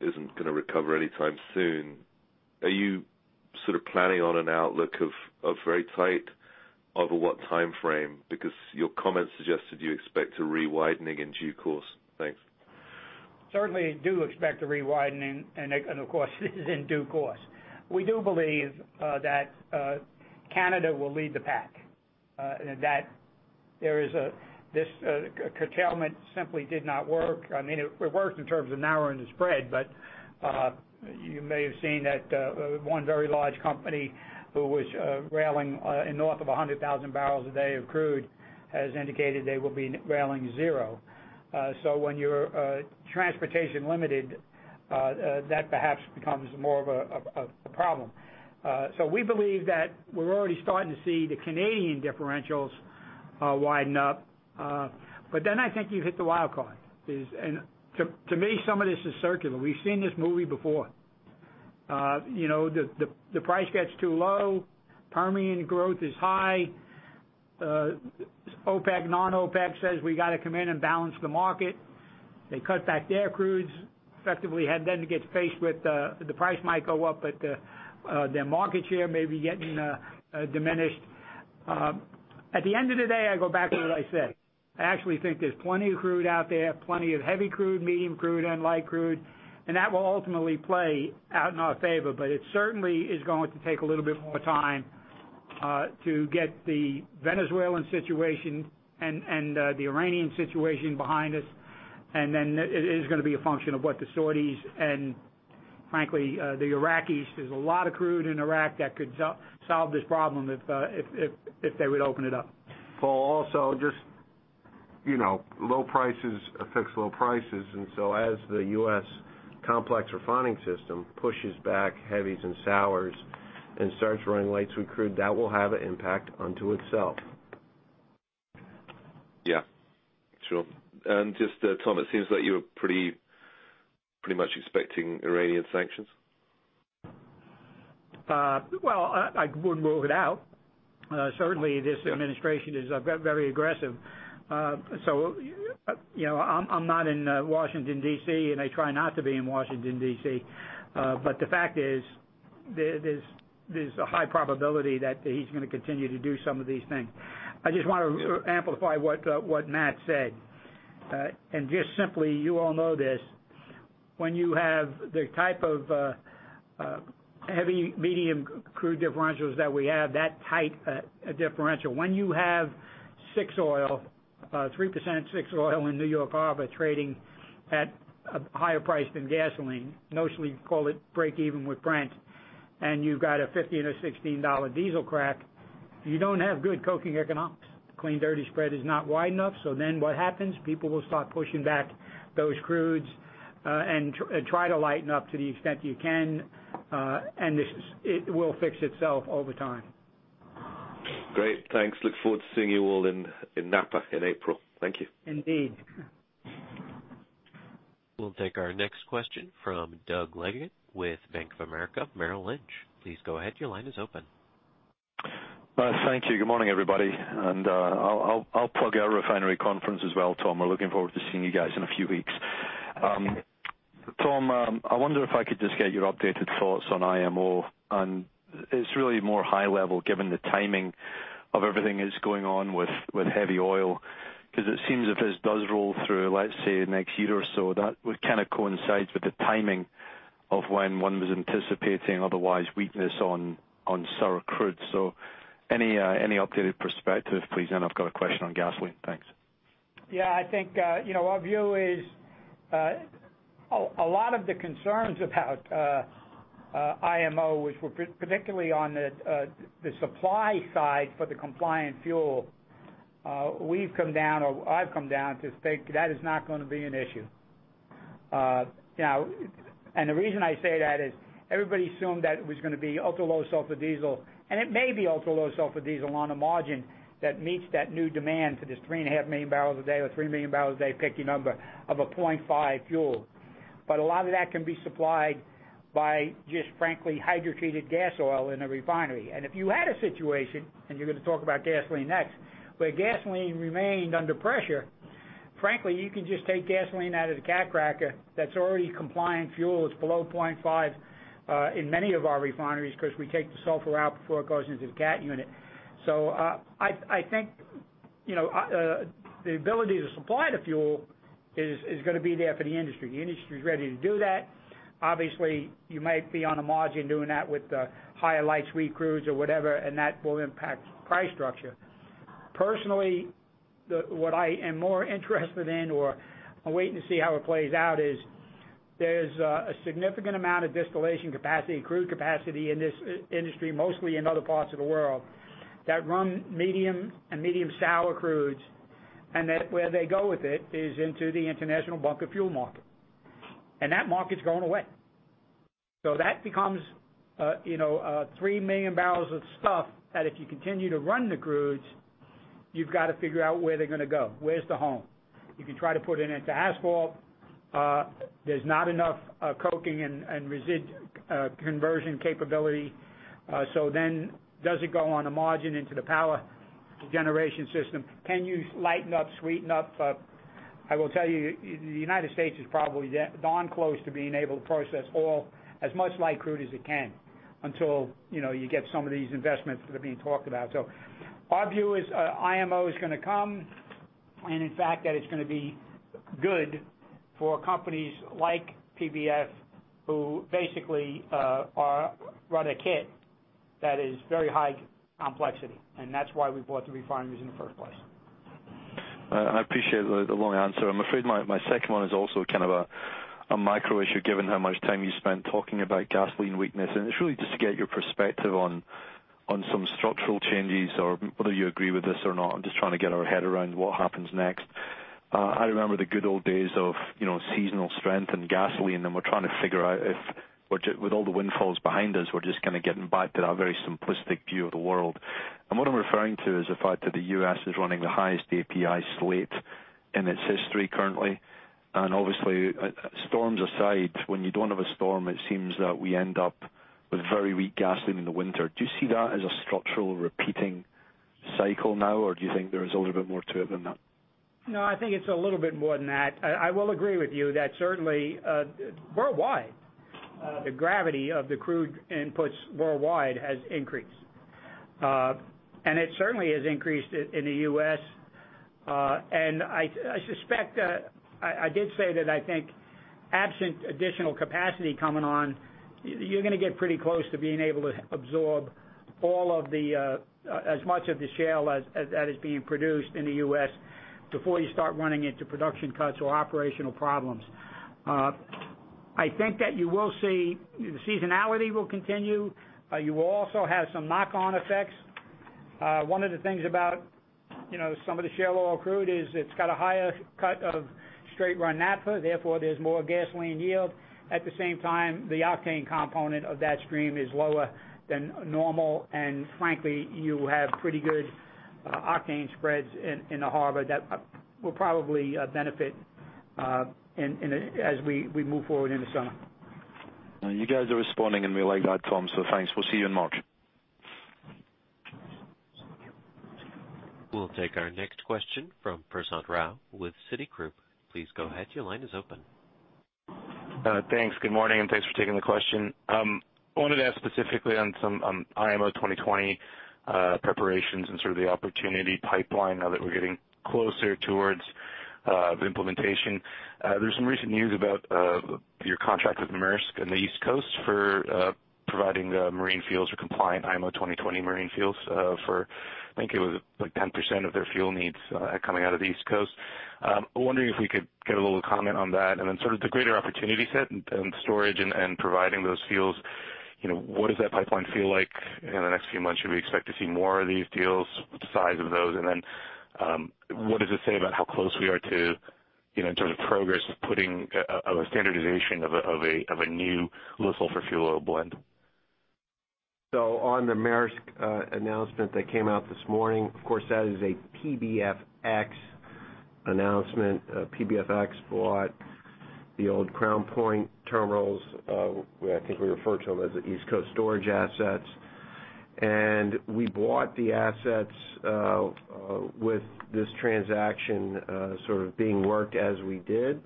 isn't going to recover anytime soon. Are you sort of planning on an outlook of very tight over what timeframe? Your comments suggested you expect a re-widening in due course. Thanks. Certainly do expect a re-widening, of course, this is in due course. We do believe that Canada will lead the pack, that this curtailment simply did not work. I mean, it worked in terms of narrowing the spread, you may have seen that one very large company who was railing north of 100,000 barrels a day of crude has indicated they will be railing zero. When you're transportation limited, that perhaps becomes more of a problem. We believe that we're already starting to see the Canadian differentials widen up. I think you hit the wild card. To me, some of this is circular. We've seen this movie before. The price gets too low, Permian growth is high, OPEC, non-OPEC says we got to come in and balance the market. They cut back their crudes, effectively had then to get faced with the price might go up, their market share may be getting diminished. At the end of the day, I go back to what I said. I actually think there's plenty of crude out there, plenty of heavy crude, medium crude and light crude. That will ultimately play out in our favor, but it certainly is going to take a little bit more time to get the Venezuelan situation and the Iranian situation behind us. It is going to be a function of what the Saudis and frankly, the Iraqis, there's a lot of crude in Iraq that could solve this problem if they would open it up. Paul, also just low prices affect low prices. As the U.S. complex refining system pushes back heavies and sours and starts running lights with crude, that will have an impact unto itself. Yeah, sure. Just, Tom, it seems that you're pretty much expecting Iranian sanctions. Well, I wouldn't rule it out. Certainly, this administration is very aggressive. I'm not in Washington, D.C., I try not to be in Washington, D.C. The fact is, there's a high probability that he's going to continue to do some of these things. I just want to amplify what Matthew Lucey said. Just simply, you all know this, when you have the type of heavy, medium crude differentials that we have, that tight a differential. When you have No. 6 oil, 3% No. 6 oil in New York Harbor trading at a higher price than gasoline, notionally call it break even with Brent, and you've got a $15 or $16 diesel crack, you don't have good coking economics. Clean dirty spread is not wide enough. What happens? People will start pushing back those crudes and try to lighten up to the extent you can, and it will fix itself over time. Great. Thanks. Look forward to seeing you all in Napa in April. Thank you. Indeed. We'll take our next question from Doug Leggate with Bank of America Merrill Lynch. Please go ahead, your line is open. Thank you. Good morning, everybody, and I'll plug our refinery conference as well, Tom. We're looking forward to seeing you guys in a few weeks. Tom, I wonder if I could just get your updated thoughts on IMO, and it's really more high level, given the timing of everything that's going on with heavy oil, because it seems if this does roll through, let's say, next year or so, that kind of coincides with the timing of when one was anticipating otherwise weakness on sour crudes. Any updated perspective, please? I've got a question on gasoline. Thanks. Yeah, I think our view is a lot of the concerns about IMO, which were particularly on the supply side for the compliant fuel, I've come down to think that is not going to be an issue. The reason I say that is everybody assumed that it was going to be ultra-low sulfur diesel, and it may be ultra-low sulfur diesel on a margin that meets that new demand for this 3.5 million barrels a day or 3 million barrels a day, pick your number, of a 0.5 fuel. A lot of that can be supplied by just frankly hydrotreated gas oil in a refinery. If you had a situation, and you're going to talk about gasoline next, where gasoline remained under pressure, frankly, you can just take gasoline out of the cat cracker that's already compliant fuel. It's below 0.5 in many of our refineries because we take the sulfur out before it goes into the cat unit. I think the ability to supply the fuel is going to be there for the industry. The industry is ready to do that. Obviously, you might be on a margin doing that with the higher light sweet crudes or whatever, and that will impact price structure. Personally, what I am more interested in or waiting to see how it plays out is there's a significant amount of distillation capacity, crude capacity in this industry, mostly in other parts of the world, that run medium and medium sour crudes, and that where they go with it is into the international bunker fuel market. That market's going away. That becomes 3 million barrels of stuff that if you continue to run the crudes, you've got to figure out where they're going to go. Where's the home? You can try to put it into asphalt. There's not enough coking and resid conversion capability. Does it go on a margin into the power generation system? Can you lighten up, sweeten up? I will tell you, the U.S. is probably darn close to being able to process oil, as much light crude as it can until you get some of these investments that are being talked about. Our view is IMO is going to come, and in fact that it's going to be good for companies like PBF, who basically run a kit that is very high complexity, and that's why we bought the refineries in the first place. I appreciate the long answer. I'm afraid my second one is also a micro issue, given how much time you spent talking about gasoline weakness, and it's really just to get your perspective on some structural changes or whether you agree with this or not. I'm just trying to get our head around what happens next. I remember the good old days of seasonal strength and gasoline, and we're trying to figure out if, with all the windfalls behind us, we're just getting back to that very simplistic view of the world. What I'm referring to is the fact that the U.S. is running the highest API slate in its history currently. Obviously, storms aside, when you don't have a storm, it seems that we end up with very weak gasoline in the winter. Do you see that as a structural repeating cycle now, or do you think there is a little bit more to it than that? I think it's a little bit more than that. I will agree with you that certainly, worldwide, the gravity of the crude inputs worldwide has increased. It certainly has increased in the U.S. I suspect, I did say that I think absent additional capacity coming on, you're going to get pretty close to being able to absorb as much of the shale as that is being produced in the U.S. before you start running into production cuts or operational problems. I think that you will see the seasonality will continue. You will also have some knock-on effects. One of the things about some of the shale oil crude is it's got a higher cut of straight run naphtha. Therefore, there's more gasoline yield. At the same time, the octane component of that stream is lower than normal, and frankly, you have pretty good octane spreads in the harbor that will probably benefit as we move forward in the summer. You guys are responding, and we like that, Tom. Thanks. We'll see you in March. We'll take our next question from Prashant Rao with Citigroup. Please go ahead. Your line is open. Thanks. Good morning, thanks for taking the question. I wanted to ask specifically on some IMO 2020 preparations and sort of the opportunity pipeline now that we're getting closer towards the implementation. There's some recent news about your contract with Maersk in the East Coast for providing the marine fuels for compliant IMO 2020 marine fuels for, I think it was 10% of their fuel needs coming out of the East Coast. I'm wondering if we could get a little comment on that. Then sort of the greater opportunity set and storage and providing those fuels. What does that pipeline feel like in the next few months? Should we expect to see more of these deals, the size of those? Then, what does it say about how close we are to in terms of progress of putting a standardization of a new low sulfur fuel oil blend? On the Maersk announcement that came out this morning, of course, that is a PBFX announcement. PBFX bought the old Crown Point terminals. I think we refer to them as the East Coast storage assets. We bought the assets with this transaction sort of being worked as we did.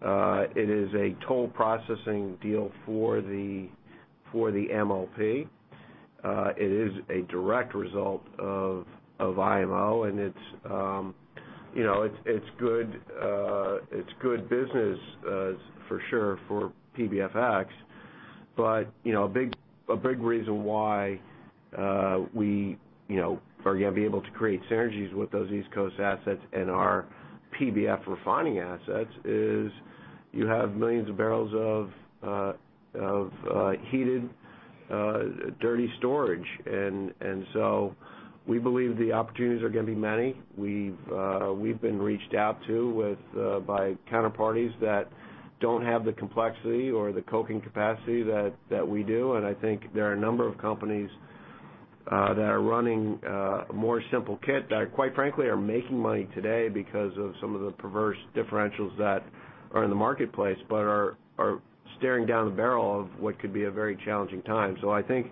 It is a toll processing deal for the MLP. It is a direct result of IMO, it's good business, for sure, for PBFX. A big reason why we are going to be able to create synergies with those East Coast assets and our PBF refining assets is you have millions of barrels of heated dirty storage. We believe the opportunities are going to be many. We've been reached out to by counterparties that don't have the complexity or the coking capacity that we do. I think there are a number of companies that are running a more simple kit that, quite frankly, are making money today because of some of the perverse differentials that are in the marketplace, are staring down the barrel of what could be a very challenging time. I think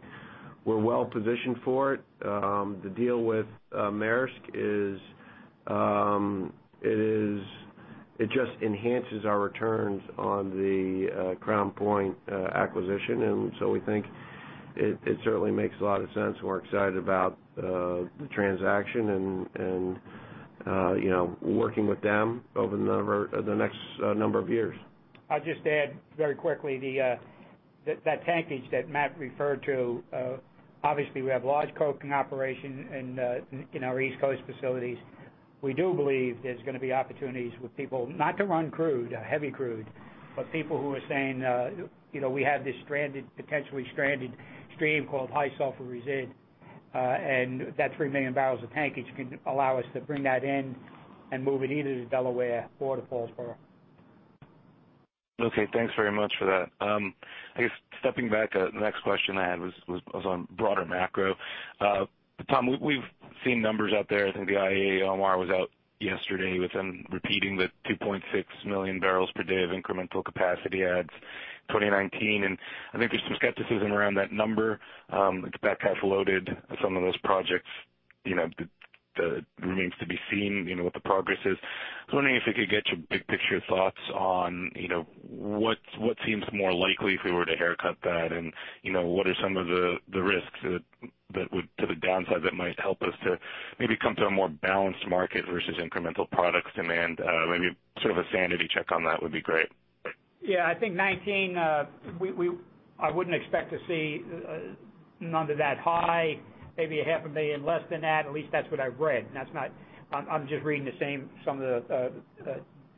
we're well-positioned for it. The deal with Maersk, it just enhances our returns on the Crown Point acquisition. We think it certainly makes a lot of sense. We're excited about the transaction and working with them over the next number of years. I'll just add very quickly. That tankage that Matt referred to, obviously we have large coking operations in our East Coast facilities. We do believe there's going to be opportunities with people, not to run crude, heavy crude, but people who are saying, we have this potentially stranded stream called high sulfur resid. That 3 million barrels of tankage can allow us to bring that in and move it either to Delaware or to Paulsboro. Okay. Thanks very much for that. I guess stepping back, the next question I had was on broader macro. Tom, we've seen numbers out there. I think the IEA MR was out yesterday with them repeating the 2.6 million barrels per day of incremental capacity adds 2019. I think there's some skepticism around that number. It's back half loaded some of those projects. It remains to be seen what the progress is. I was wondering if we could get your big picture thoughts on what seems more likely if we were to haircut that and what are some of the risks to the downside that might help us to maybe come to a more balanced market versus incremental product demand? Maybe sort of a sanity check on that would be great. Yeah, I think 2019, I wouldn't expect to see none of that high, maybe 0.5 million less than that. At least that's what I've read. I'm just reading some of the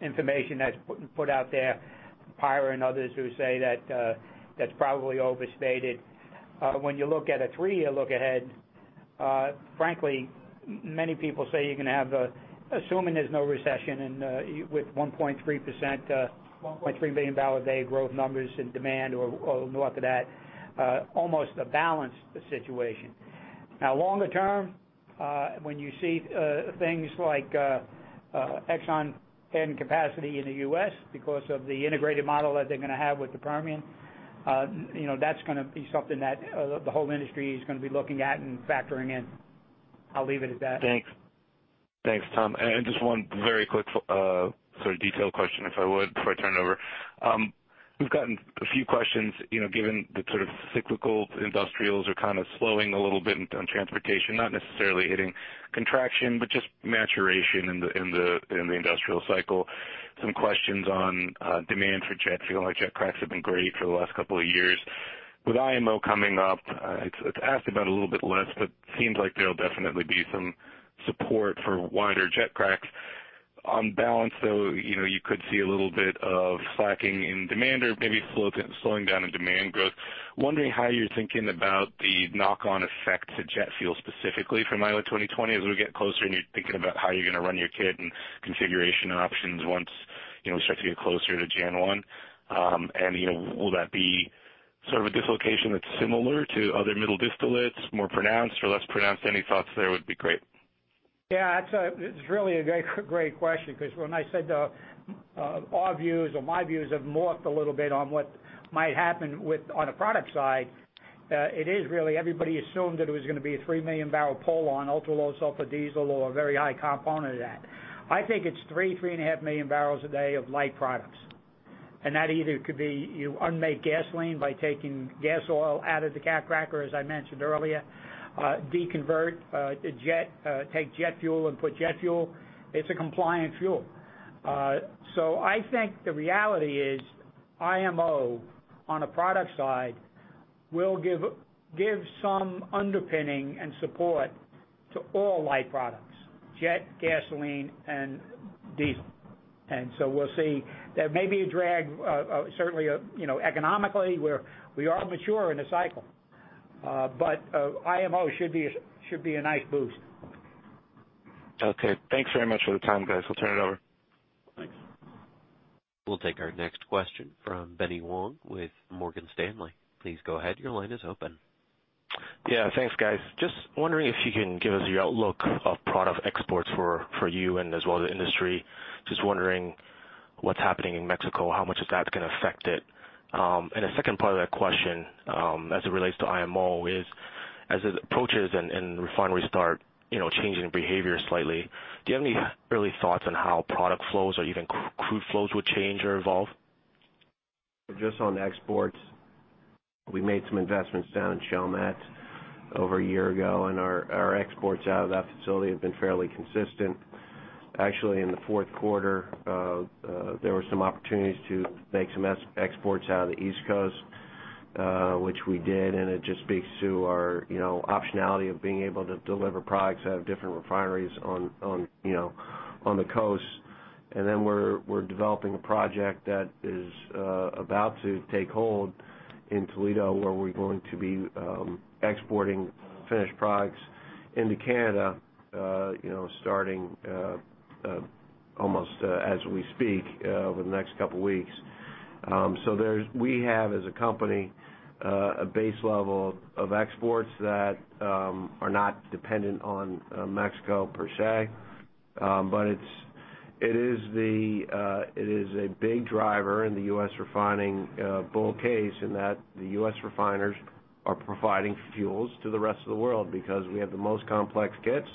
information that's put out there, PIRA and others who say that that's probably overstated. When you look at a 3-year look ahead. Frankly, many people say you're going to have, assuming there's no recession, and with $1.3 billion day growth numbers in demand or north of that, almost a balanced situation. Longer term, when you see things like Exxon adding capacity in the U.S. because of the integrated model that they're going to have with the Permian, that's going to be something that the whole industry is going to be looking at and factoring in. I'll leave it at that. Thanks. Thanks, Tom. Just one very quick detailed question, if I would, before I turn it over. We've gotten a few questions, given the cyclical industrials are kind of slowing a little bit on transportation, not necessarily hitting contraction, but just maturation in the industrial cycle. Some questions on demand for jet fuel. Jet cracks have been great for the last couple of years. With IMO coming up, it's asked about a little bit less, but seems like there'll definitely be some support for wider jet cracks. On balance, though, you could see a little bit of slacking in demand or maybe slowing down in demand growth. Wondering how you're thinking about the knock-on effect to jet fuel specifically from IMO 2020 as we get closer and you're thinking about how you're going to run your kit and configuration and options once we start to get closer to January 1. Will that be sort of a dislocation that's similar to other middle distillates, more pronounced or less pronounced? Any thoughts there would be great. Yeah, it's really a great question, because when I said our views or my views have morphed a little bit on what might happen on the product side. It is really, everybody assumed that it was going to be a 3 million-barrel pull on ultra-low sulfur diesel or a very high component of that. I think it's 3.5 million barrels a day of light products. That either could be you unmake gasoline by taking gas oil out of the cat cracker, as I mentioned earlier. Deconvert the jet, take jet fuel and put jet fuel. It's a compliant fuel. I think the reality is IMO, on a product side, will give some underpinning and support to all light products, jet, gasoline, and diesel. We'll see. There may be a drag, certainly, economically, where we are mature in the cycle. IMO should be a nice boost. Okay. Thanks very much for the time, guys. We'll turn it over. Thanks. We'll take our next question from Benny Wong with Morgan Stanley. Please go ahead. Your line is open. Yeah, thanks, guys. Just wondering if you can give us your outlook of product exports for you and as well the industry. Just wondering what's happening in Mexico, how much is that going to affect it? The second part of that question, as it relates to IMO is, as it approaches and refiners start changing behavior slightly, do you have any early thoughts on how product flows or even crude flows would change or evolve? Just on exports, we made some investments down in Chalmette over a year ago, our exports out of that facility have been fairly consistent. Actually, in the fourth quarter, there were some opportunities to make some exports out of the East Coast, which we did, and it just speaks to our optionality of being able to deliver products out of different refineries on the coast. Then we're developing a project that is about to take hold in Toledo, where we're going to be exporting finished products into Canada starting almost as we speak, over the next couple of weeks. We have, as a company, a base level of exports that are not dependent on Mexico per se. It is a big driver in the U.S. refining bull case in that the U.S. refiners are providing fuels to the rest of the world because we have the most complex kits,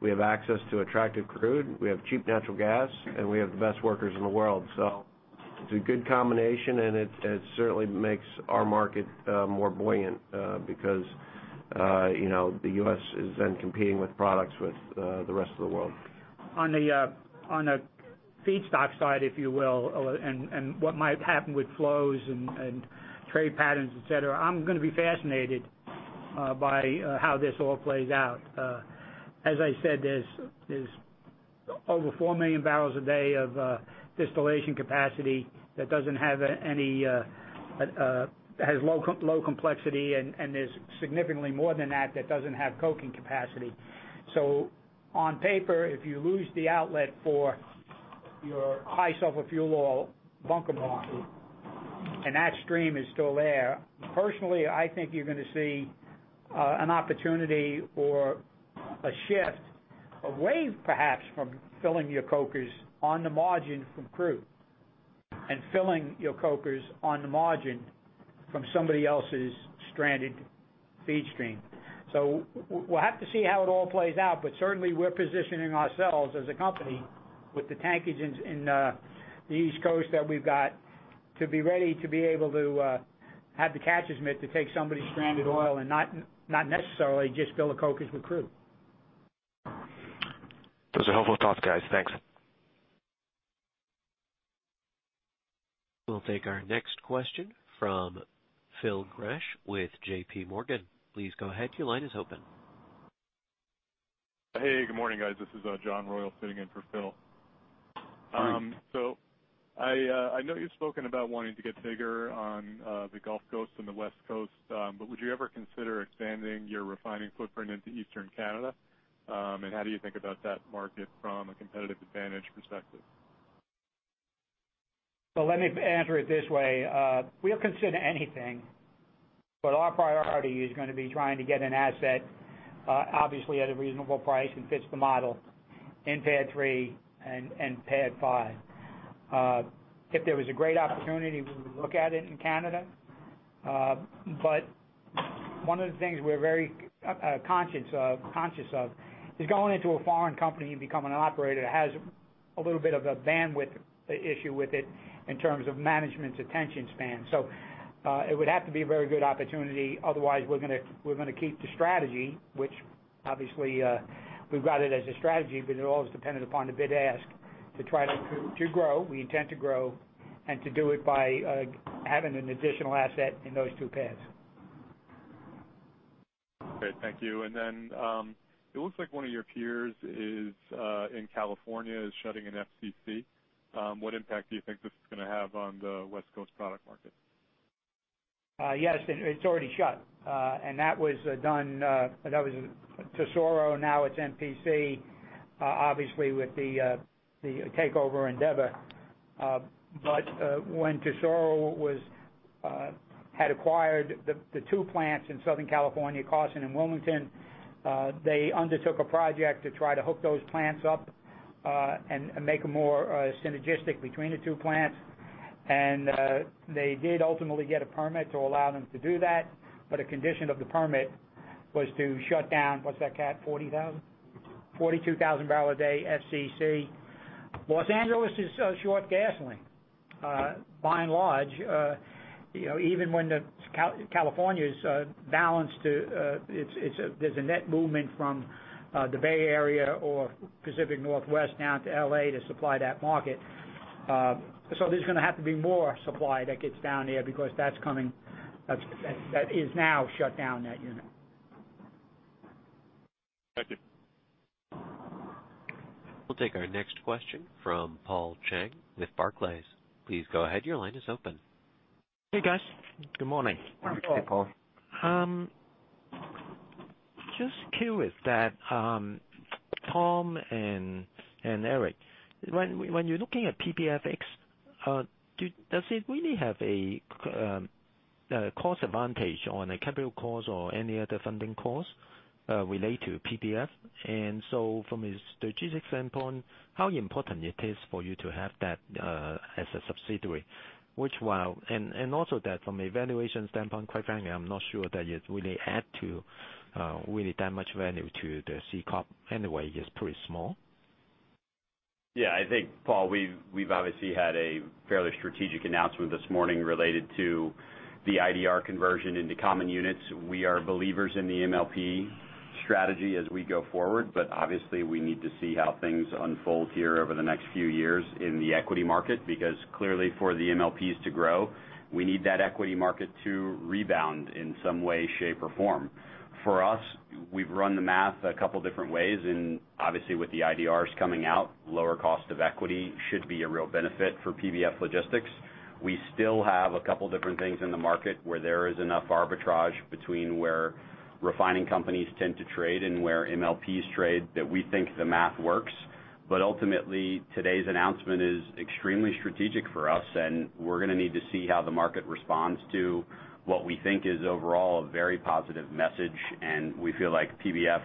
we have access to attractive crude, we have cheap natural gas, and we have the best workers in the world. It's a good combination, and it certainly makes our market more buoyant because the U.S. is then competing with products with the rest of the world. On the feedstock side, if you will, and what might happen with flows and trade patterns, et cetera. I'm going to be fascinated by how this all plays out. As I said, there's over 4 million barrels a day of distillation capacity that has low complexity, and there's significantly more than that that doesn't have coking capacity. On paper, if you lose the outlet for your high-sulfur fuel oil bunker block and that stream is still there, personally, I think you're going to see an opportunity or a shift away perhaps from filling your cokers on the margin from crude and filling your cokers on the margin from somebody else's stranded feed stream. We'll have to see how it all plays out. Certainly, we're positioning ourselves as a company with the tankage in the East Coast that we've got to be ready to be able to have the catcher's mitt to take somebody's stranded oil and not necessarily just fill the cokers with crude. Those are helpful thoughts, guys. Thanks. We'll take our next question from Phil Gresh with J.P. Morgan. Please go ahead. Your line is open. Hey, good morning, guys. This is John Royall sitting in for Phil. Great. I know you've spoken about wanting to get bigger on the Gulf Coast and the West Coast, would you ever consider expanding your refining footprint into Eastern Canada? How do you think about that market from a competitive advantage perspective? Let me answer it this way. We'll consider anything, our priority is going to be trying to get an asset, obviously, at a reasonable price and fits the model in PADD 3 and PADD 5. If there was a great opportunity, we would look at it in Canada. One of the things we're very conscious of is going into a foreign company and becoming an operator has a little bit of a bandwidth issue with it in terms of management's attention span. It would have to be a very good opportunity, otherwise, we're going to keep the strategy, which obviously, we've got it as a strategy, it all is dependent upon the bid ask to try to grow. We intend to grow and to do it by having an additional asset in those two pads. Great. Thank you. It looks like one of your peers in California is shutting an FCC. What impact do you think this is going to have on the West Coast product market? Yes. It's already shut. That was done, that was Tesoro, now it's MPC. Obviously, with the takeover Andeavor. When Tesoro had acquired the two plants in Southern California, Carson and Wilmington, they undertook a project to try to hook those plants up and make them more synergistic between the two plants. They did ultimately get a permit to allow them to do that. A condition of the permit was to shut down, what's that Matt, 40,000? 42,000 barrel a day FCC. L.A. is short gasoline, by and large. Even when the California's balanced, there's a net movement from the Bay Area or Pacific Northwest down to L.A. to supply that market. There's going to have to be more supply that gets down there because that is now shut down, that unit. Thank you. We'll take our next question from Paul Cheng with Barclays. Please go ahead. Your line is open. Hey, guys. Good morning. Hey, Paul. Just curious that, Tom and Erik, when you're looking at PBFX, does it really have a cost advantage on a capital cost or any other funding cost related to PBF? From a strategic standpoint, how important it is for you to have that as a subsidiary? Also that from a valuation standpoint, quite frankly, I'm not sure that it would add to really that much value to the C Corp anyway. It's pretty small. I think, Paul, we've obviously had a fairly strategic announcement this morning related to the IDR conversion into common units. We are believers in the MLP strategy as we go forward, but obviously, we need to see how things unfold here over the next few years in the equity market. Clearly for the MLPs to grow, we need that equity market to rebound in some way, shape, or form. For us, we've run the math a couple different ways, obviously, with the IDRs coming out, lower cost of equity should be a real benefit for PBF Logistics. We still have a couple different things in the market where there is enough arbitrage between where refining companies tend to trade and where MLPs trade, that we think the math works. Ultimately, today's announcement is extremely strategic for us, we're going to need to see how the market responds to what we think is overall a very positive message. We feel like PBF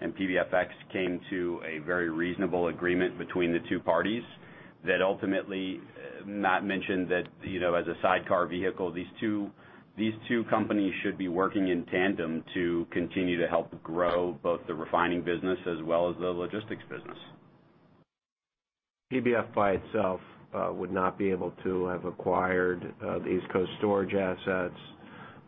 and PBFX came to a very reasonable agreement between the two parties that ultimately, Matt mentioned that, as a sidecar vehicle, these two companies should be working in tandem to continue to help grow both the refining business as well as the logistics business. PBF by itself would not be able to have acquired the East Coast storage assets,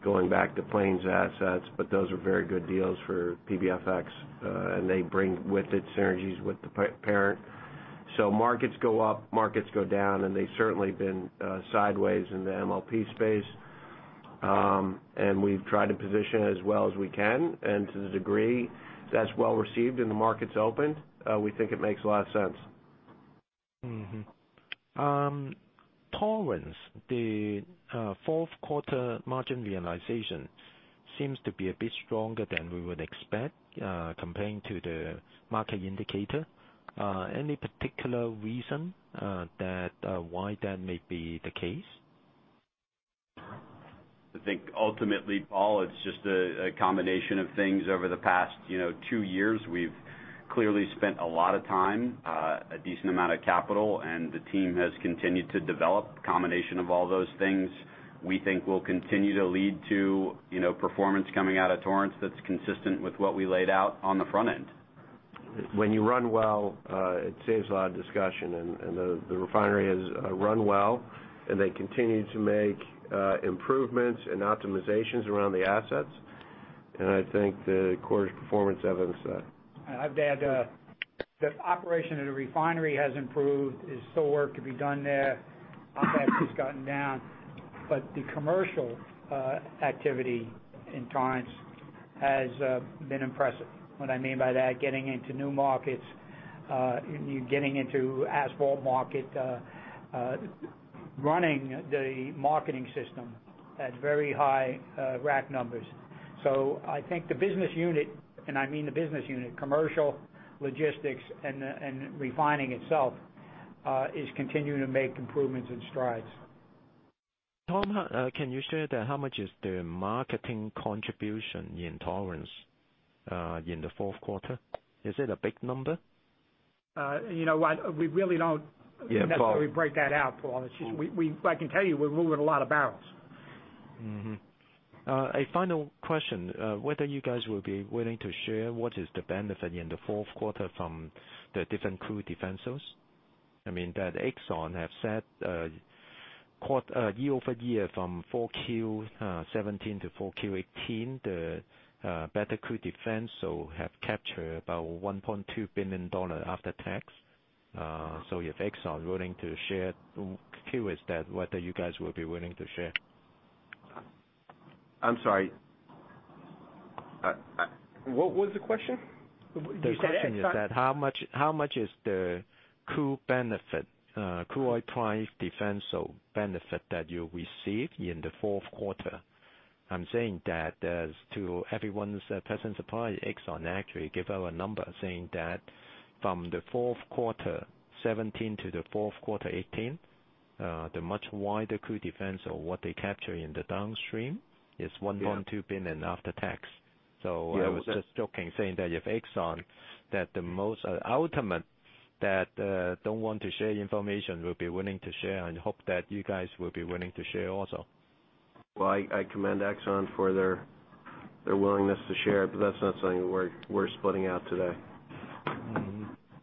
going back to Plains assets. Those are very good deals for PBFX, and they bring with it synergies with the parent. Markets go up, markets go down, and they've certainly been sideways in the MLP space. We've tried to position as well as we can. To the degree that's well-received and the market's open, we think it makes a lot of sense. Torrance, the fourth quarter margin realization seems to be a bit stronger than we would expect comparing to the market indicator. Any particular reason why that may be the case? I think ultimately, Paul, it's just a combination of things over the past two years. We've clearly spent a lot of time, a decent amount of capital, and the team has continued to develop. Combination of all those things we think will continue to lead to performance coming out of Torrance that's consistent with what we laid out on the front end. When you run well, it saves a lot of discussion. The refinery has run well, and they continue to make improvements and optimizations around the assets. I think the quarter's performance evidence that. I'd add. The operation of the refinery has improved. There's still work to be done there. OpEx has gotten down. The commercial activity in Torrance has been impressive. What I mean by that, getting into new markets, getting into asphalt market, running the marketing system at very high rack numbers. I think the business unit, and I mean the business unit, commercial, logistics, and refining itself, is continuing to make improvements and strides. Tom, can you share how much is the marketing contribution in Torrance, in the fourth quarter? Is it a big number? You know what? We really don't necessarily break that out, Paul. I can tell you, we're moving a lot of barrels. A final question. Whether you guys will be willing to share what is the benefit in the fourth quarter from the different crude differentials? I mean that Exxon have said year-over-year from four Q17 to four Q18, the better crude defense have captured about $1.2 billion after tax. If Exxon willing to share, curious that whether you guys will be willing to share. I'm sorry, what was the question? The question is that how much is the crude benefit, crude oil price differential benefit that you received in the fourth quarter? I'm saying that as to everyone's pleasant surprise, Exxon actually gave out a number saying that from the fourth quarter 2017 to the fourth quarter 2018, the much wider crude defense or what they capture in the downstream is $1.2 billion after tax. I was just joking saying that if Exxon, that the most ultimate that don't want to share information, will be willing to share, and hope that you guys will be willing to share also. Well, I commend Exxon for their willingness to share, that's not something we're splitting out today.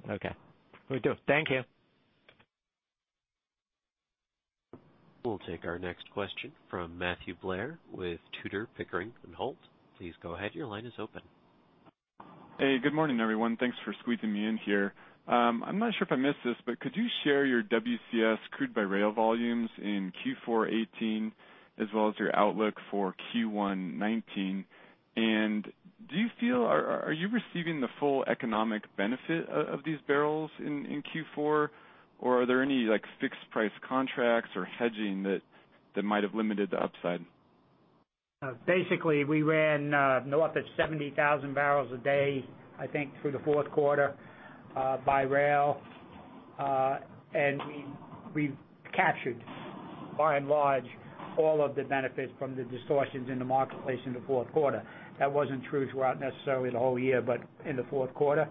Okay. Will do. Thank you. We'll take our next question from Matthew Blair with Tudor, Pickering, and Holt. Please go ahead. Your line is open. Hey, good morning, everyone. Thanks for squeezing me in here. I'm not sure if I missed this, but could you share your WCS crude by rail volumes in Q4 2018 as well as your outlook for Q1 2019? Are you receiving the full economic benefit of these barrels in Q4, or are there any fixed price contracts or hedging that might have limited the upside? Basically, we ran north of 70,000 barrels a day, I think, through the fourth quarter, by rail. We captured, by and large, all of the benefits from the distortions in the marketplace in the fourth quarter. That wasn't true throughout necessarily the whole year, but in the fourth quarter.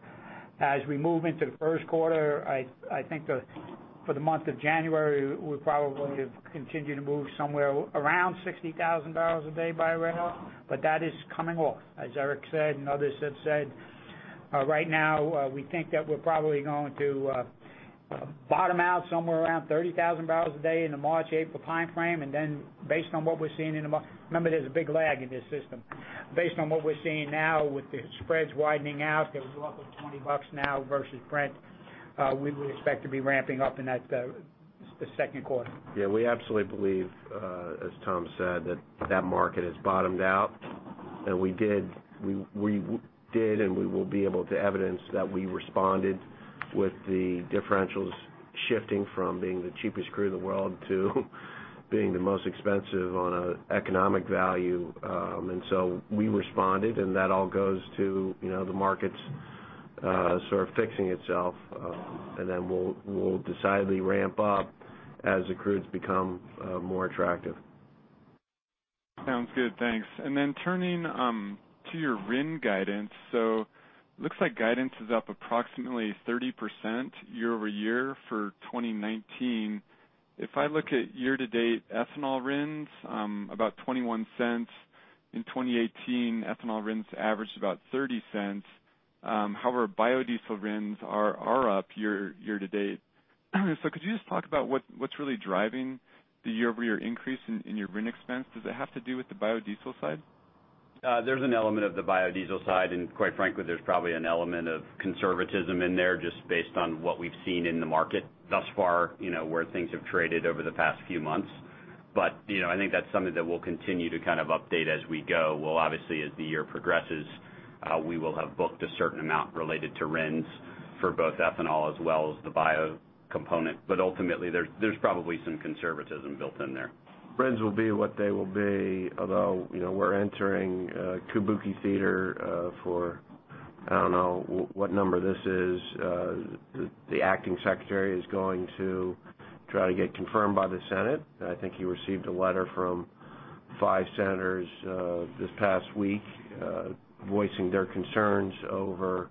As we move into the first quarter, I think for the month of January, we probably have continued to move somewhere around 60,000 barrels a day by rail. That is coming off, as Erik said, and others have said. Right now, we think that we're probably going to bottom out somewhere around 30,000 barrels a day in the March-April timeframe. Remember, there's a big lag in this system. Based on what we're seeing now with the spreads widening out, they were up over $20 now versus Brent. We would expect to be ramping up in the second quarter. Yeah, we absolutely believe, as Tom said, that that market has bottomed out. We did, and we will be able to evidence that we responded with the differentials shifting from being the cheapest crude in the world to being the most expensive on an economic value. We responded, and that all goes to the markets sort of fixing itself. We'll decidedly ramp up as the crudes become more attractive. Sounds good. Thanks. Turning to your RIN guidance. Looks like guidance is up approximately 30% year-over-year for 2019. If I look at year-to-date ethanol RINs, about $0.21. In 2018, ethanol RINs averaged about $0.30. However, biodiesel RINs are up year-to-date. Could you just talk about what's really driving the year-over-year increase in your RIN expense? Does it have to do with the biodiesel side? There's an element of the biodiesel side, and quite frankly, there's probably an element of conservatism in there, just based on what we've seen in the market thus far, where things have traded over the past few months. I think that's something that we'll continue to update as we go. We'll obviously, as the year progresses, we will have booked a certain amount related to RINs for both ethanol as well as the bio component. Ultimately, there's probably some conservatism built in there. RINs will be what they will be, although, we're entering Kabuki theater, for I don't know what number this is. The acting secretary is going to try to get confirmed by the Senate. I think he received a letter from five senators this past week, voicing their concerns over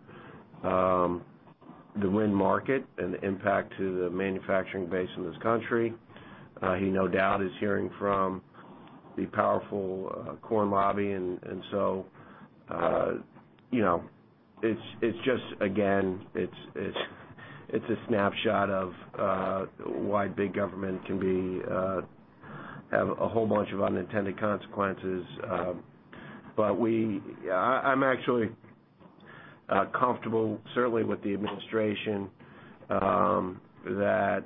the RIN market and the impact to the manufacturing base in this country. He no doubt is hearing from the powerful corn lobby, it's just, again, it's a snapshot of why big government can have a whole bunch of unintended consequences. I'm actually comfortable, certainly with the administration, that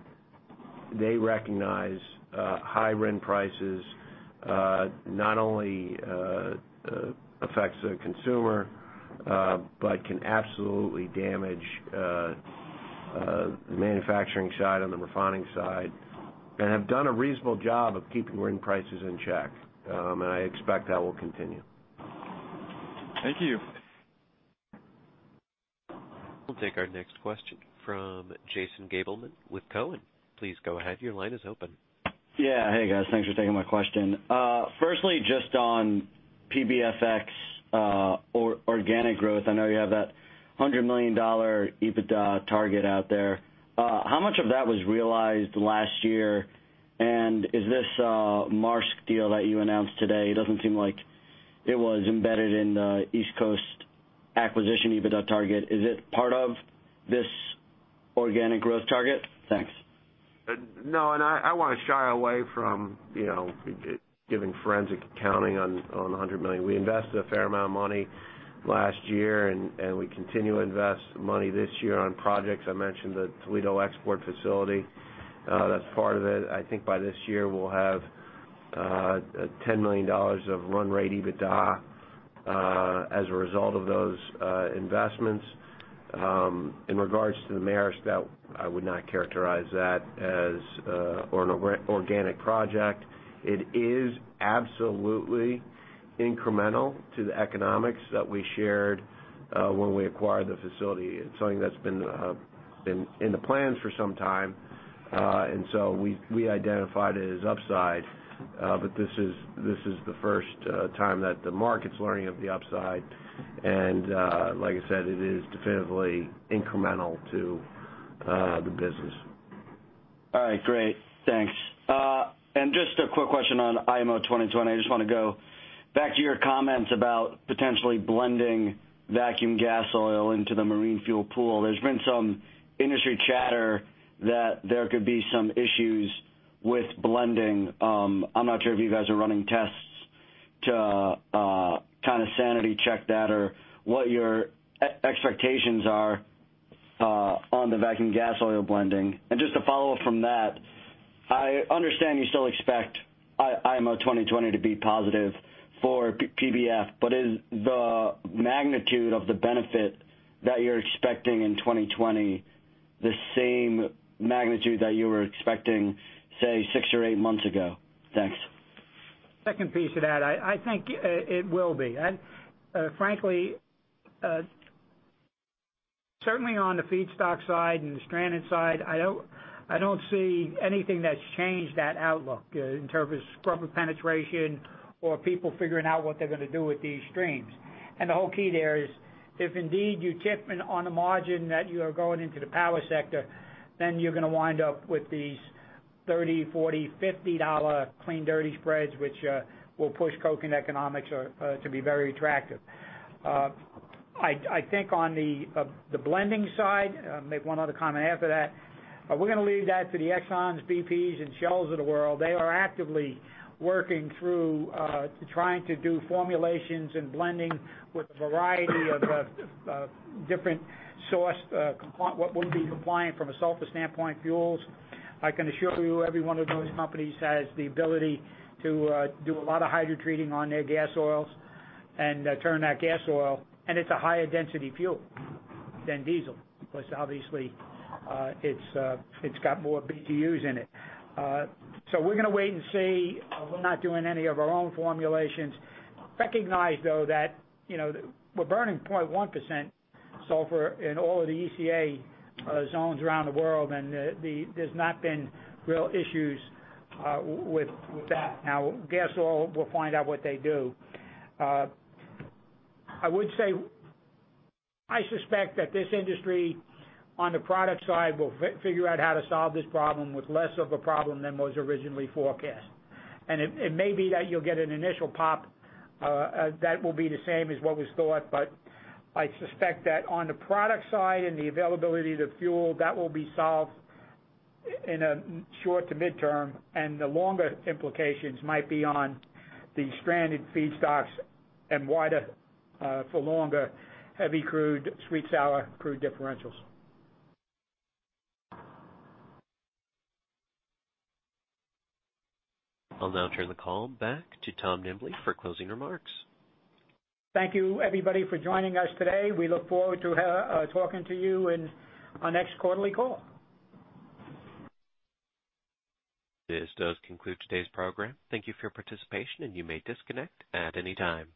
they recognize high RIN prices not only affects the consumer, but can absolutely damage the manufacturing side and the refining side, and have done a reasonable job of keeping RIN prices in check. I expect that will continue. Thank you. We'll take our next question from Jason Gabelman with Cowen. Please go ahead. Your line is open. Yeah. Hey, guys. Thanks for taking my question. Firstly, just on PBFX organic growth, I know you have that $100 million EBITDA target out there. How much of that was realized last year, and is this Maersk deal that you announced today, it doesn't seem like it was embedded in the East Coast acquisition EBITDA target. Is it part of this organic growth target? Thanks. No, I want to shy away from giving forensic accounting on $100 million. We invested a fair amount of money last year, and we continue to invest money this year on projects. I mentioned the Toledo export facility. That's part of it. I think by this year, we'll have $10 million of run rate EBITDA as a result of those investments. In regards to the Maersk, I would not characterize that as an organic project. It is absolutely incremental to the economics that we shared when we acquired the facility. It's something that's been in the plans for some time. We identified it as upside. This is the first time that the market's learning of the upside. Like I said, it is definitively incremental to the business. All right, great. Thanks. Just a quick question on IMO 2020. I just want to go back to your comments about potentially blending vacuum gas oil into the marine fuel pool. There's been some industry chatter that there could be some issues with blending. I'm not sure if you guys are running tests to sanity check that or what your expectations are on the vacuum gas oil blending. Just to follow up from that, I understand you still expect IMO 2020 to be positive for PBF, but is the magnitude of the benefit that you're expecting in 2020 the same magnitude that you were expecting, say, six or eight months ago? Thanks. Second piece of that. I think it will be. Frankly, certainly on the feedstock side and the stranded side, I don't see anything that's changed that outlook in terms of scrubber penetration or people figuring out what they're going to do with these streams. The whole key there is, if indeed you tip in on the margin that you are going into the power sector, then you're going to wind up with these $30, $40, $50 clean dirty spreads, which will push coking economics to be very attractive. I think on the blending side, make one other comment after that, we're going to leave that to the Exxons, BP, and Shell of the world. They are actively working through trying to do formulations and blending with a variety of different sourced, what would be compliant from a sulfur standpoint, fuels. I can assure you, every one of those companies has the ability to do a lot of hydrotreating on their gas oils and turn that gas oil. It's a higher density fuel than diesel because obviously, it's got more BTUs in it. We're going to wait and see. We're not doing any of our own formulations. Recognize, though, that we're burning 0.1% sulfur in all of the ECA zones around the world, there's not been real issues with that. Now, gas oil, we'll find out what they do. I would say, I suspect that this industry, on the product side, will figure out how to solve this problem with less of a problem than was originally forecast. It may be that you'll get an initial pop that will be the same as what was thought, but I suspect that on the product side and the availability of the fuel, that will be solved in a short to midterm, and the longer implications might be on the stranded feedstocks and wider for longer heavy crude, sweet sour crude differentials. I'll now turn the call back to Thomas Nimbley for closing remarks. Thank you everybody for joining us today. We look forward to talking to you in our next quarterly call. This does conclude today's program. Thank you for your participation, and you may disconnect at any time.